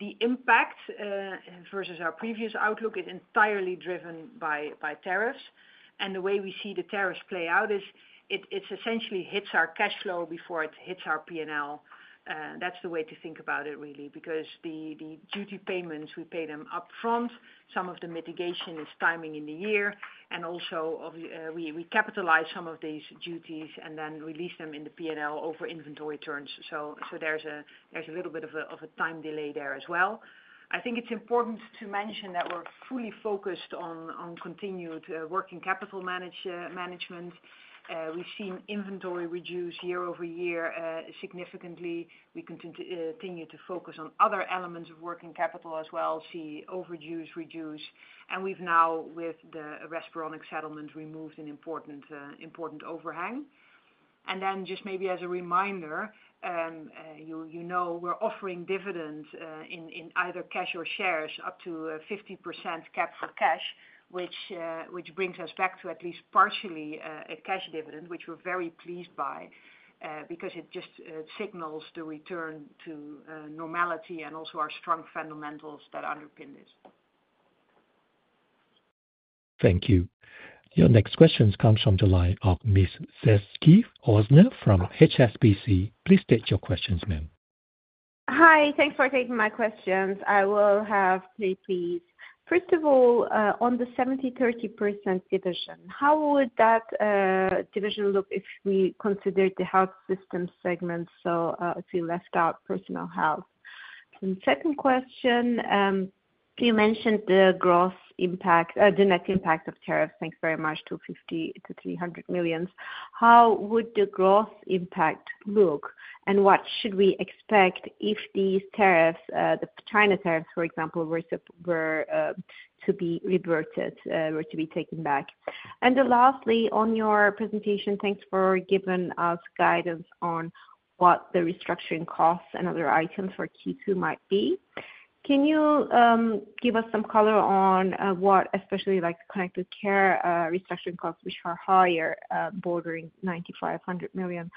The impact versus our previous outlook is entirely driven by tariffs. The way we see the tariffs play out is it essentially hits our cash flow before it hits our P&L. That is the way to think about it really because the duty payments, we pay them upfront. Some of the mitigation is timing in the year. We also capitalize some of these duties and then release them in the P&L over inventory turns. There is a little bit of a time delay there as well. I think it is important to mention that we are fully focused on continued working capital management. We have seen inventory reduce year-over-year significantly. We continue to focus on other elements of working capital as well, see overdues reduce. We have now, with the Respironics settlement, removed an important overhang. Just maybe as a reminder, you know we're offering dividends in either cash or shares up to a 50% cap for cash, which brings us back to at least partially a cash dividend, which we're very pleased by because it just signals the return to normality and also our strong fundamentals that underpin this. Thank you. Your next questions come from July of Ms. Sezgi Ozener from HSBC. Please state your questions, ma'am. Hi. Thanks for taking my questions. I will have three please. First of all, on the 70/30 division, how would that division look if we consider the health system segment? So if you left out personal health. Second question, you mentioned the gross impact, the net impact of tariffs. Thanks very much. 250 million-300 million. How would the gross impact look? What should we expect if these tariffs, the China tariffs, for example, were to be reverted, were to be taken back? Lastly, on your presentation, thanks for giving us guidance on what the restructuring costs and other items for Q2 might be. Can you give us some color on what, especially connected care restructuring costs, which are higher, bordering 500 million,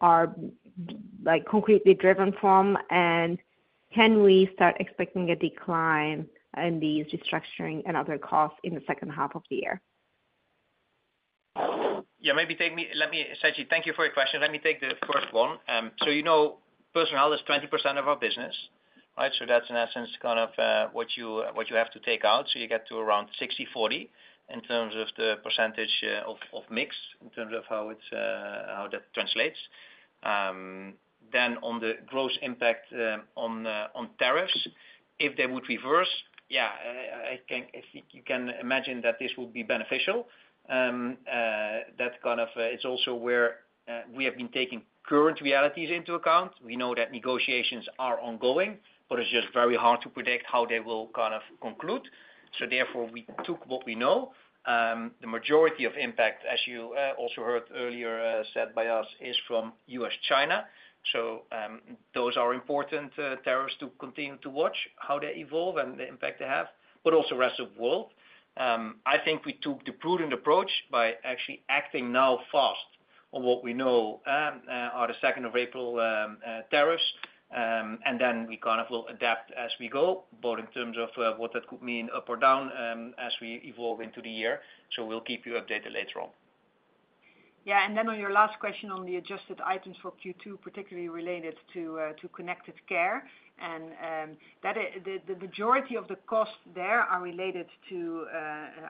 are concretely driven from? Can we start expecting a decline in these restructuring and other costs in the second half of the year? Yeah. Let me say to you, thank you for your question. Let me take the first one. You know personal health is 20% of our business, right? That is in essence kind of what you have to take out. You get to around 60/40 in terms of the percentage of mix in terms of how that translates. On the gross impact on tariffs, if they would reverse, yeah, I think you can imagine that this would be beneficial. That kind of it's also where we have been taking current realities into account. We know that negotiations are ongoing, but it's just very hard to predict how they will kind of conclude. Therefore, we took what we know. The majority of impact, as you also heard earlier said by us, is from U.S.-China. Those are important tariffs to continue to watch how they evolve and the impact they have, but also rest of the world. I think we took the prudent approach by actually acting now fast on what we know are the 2nd of April tariffs. We kind of will adapt as we go, both in terms of what that could mean up or down as we evolve into the year. We'll keep you updated later on. Yeah. On your last question on the adjusted items for Q2, particularly related to Connected Care, the majority of the costs there are related to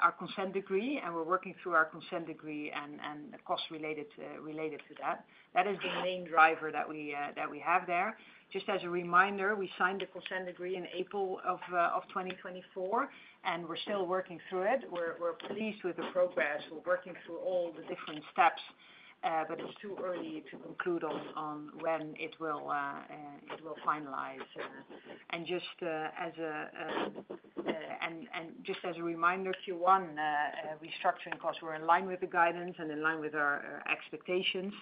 our consent decree, and we're working through our consent decree and the costs related to that. That is the main driver that we have there. Just as a reminder, we signed the consent decree in April of 2024, and we're still working through it. We're pleased with the progress. We're working through all the different steps, but it's too early to conclude on when it will finalize. Just as a reminder, Q1 restructuring costs were in line with the guidance and in line with our expectations.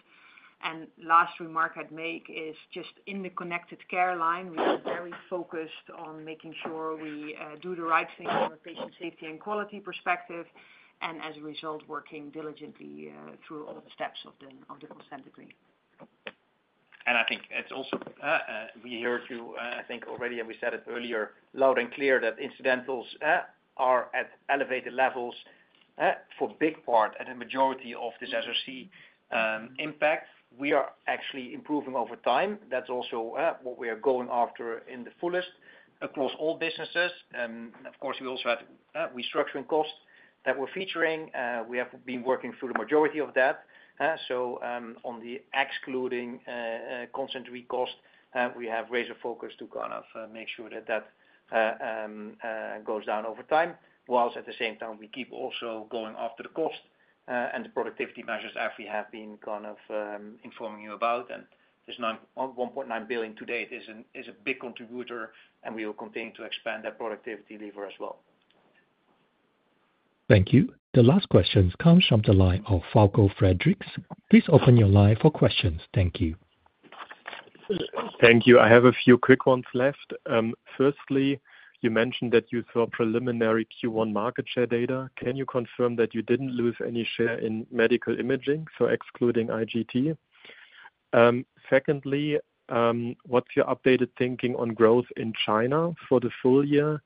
The last remark I'd make is just in the connected care line, we are very focused on making sure we do the right thing from a patient safety and quality perspective, and as a result, working diligently through all the steps of the consent decree. I think it's also, we heard you, I think, already, and we said it earlier, loud and clear that incidentals are at elevated levels for a big part and a majority of this SRC impact. We are actually improving over time. That's also what we are going after in the fullest across all businesses. Of course, we also had restructuring costs that we're featuring. We have been working through the majority of that. On the excluding consent decree cost, we have raised a focus to kind of make sure that that goes down over time, whilst at the same time, we keep also going after the cost and the productivity measures as we have been kind of informing you about. This 1.9 billion to date is a big contributor, and we will continue to expand that productivity lever as well. Thank you. The last questions come from the line of Falko Friedrichs. Please open your line for questions. Thank you. Thank you. I have a few quick ones left. Firstly, you mentioned that you saw preliminary Q1 market share data. Can you confirm that you did not lose any share in medical imaging, so excluding IGT? Secondly, what is your updated thinking on growth in China for the full year,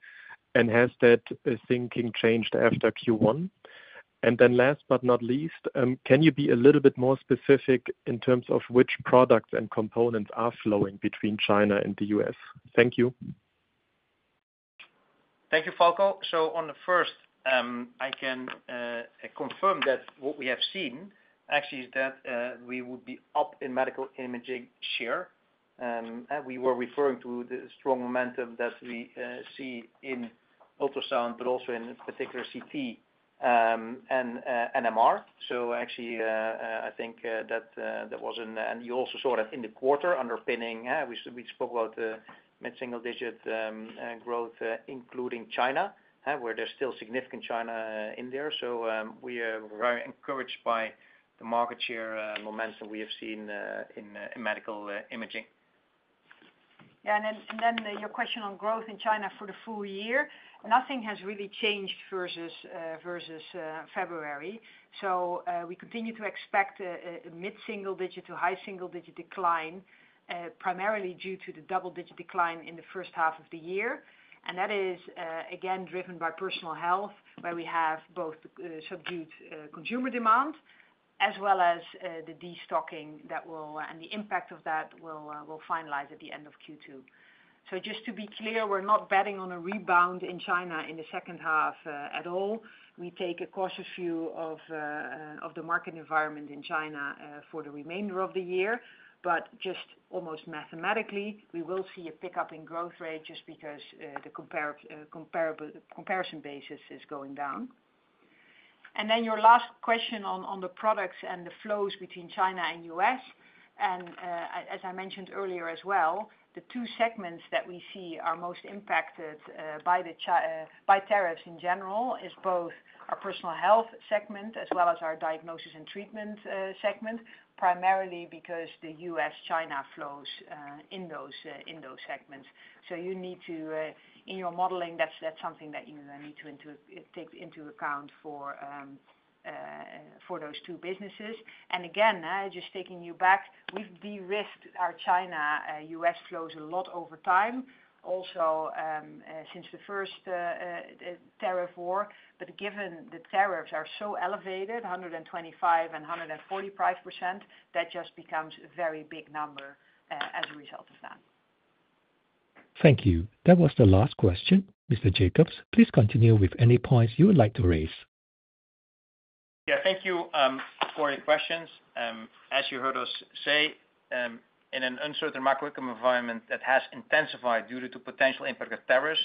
and has that thinking changed after Q1? Last but not least, can you be a little bit more specific in terms of which products and components are flowing between China and the U.S.? Thank you. Thank you, Falko. On the first, I can confirm that what we have seen actually is that we would be up in medical imaging share. We were referring to the strong momentum that we see in ultrasound, but also in particular CT and MR. I think that that was, and you also saw that in the quarter underpinning. We spoke about the mid-single digit growth, including China, where there is still significant China in there. We are very encouraged by the market share momentum we have seen in medical imaging. Yeah. Your question on growth in China for the full year, nothing has really changed versus February. We continue to expect a mid-single digit to high-single digit decline, primarily due to the double-digit decline in the first half of the year. That is, again, driven by personal health, where we have both subdued consumer demand as well as the destocking that will and the impact of that will finalize at the end of Q2. Just to be clear, we're not betting on a rebound in China in the second half at all. We take a cautious view of the market environment in China for the remainder of the year. Just almost mathematically, we will see a pickup in growth rate just because the comparison basis is going down. Your last question on the products and the flows between China and U.S. As I mentioned earlier as well, the two segments that we see are most impacted by tariffs in general are both our Personal Health segment as well as our Diagnosis and Treatment segment, primarily because of the U.S.-China flows in those segments. You need to, in your modeling, that's something that you need to take into account for those two businesses. Just taking you back, we've de-risked our China-U.S. flows a lot over time, also since the first tariff war. Given the tariffs are so elevated, 125% and 140% price, that just becomes a very big number as a result of that. Thank you. That was the last question. Mr. Jakobs, please continue with any points you would like to raise. Thank you for your questions. As you heard us say, in an uncertain macroeconomic environment that has intensified due to potential impact of tariffs,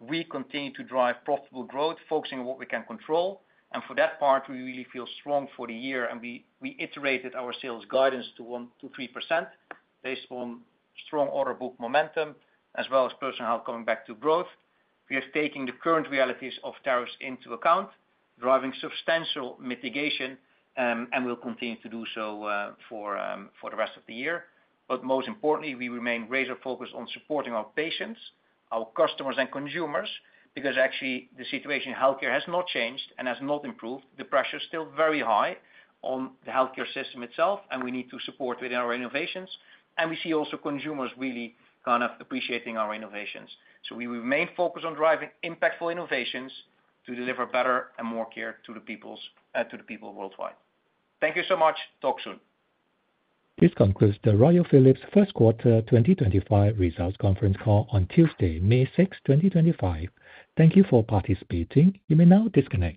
we continue to drive profitable growth, focusing on what we can control. For that part, we really feel strong for the year. We iterated our sales guidance to 1%-3% based on strong order book momentum as well as personal health coming back to growth. We are taking the current realities of tariffs into account, driving substantial mitigation, and we will continue to do so for the rest of the year. Most importantly, we remain razor-focused on supporting our patients, our customers, and consumers because actually the situation in healthcare has not changed and has not improved. The pressure is still very high on the healthcare system itself, and we need to support within our innovations. We see also consumers really kind of appreciating our innovations. We remain focused on driving impactful innovations to deliver better and more care to people worldwide. Thank you so much. Talk soon. This concludes the Royal Philips First Quarter 2025 Results Conference Call on Tuesday, May 6, 2025. Thank you for participating. You may now disconnect.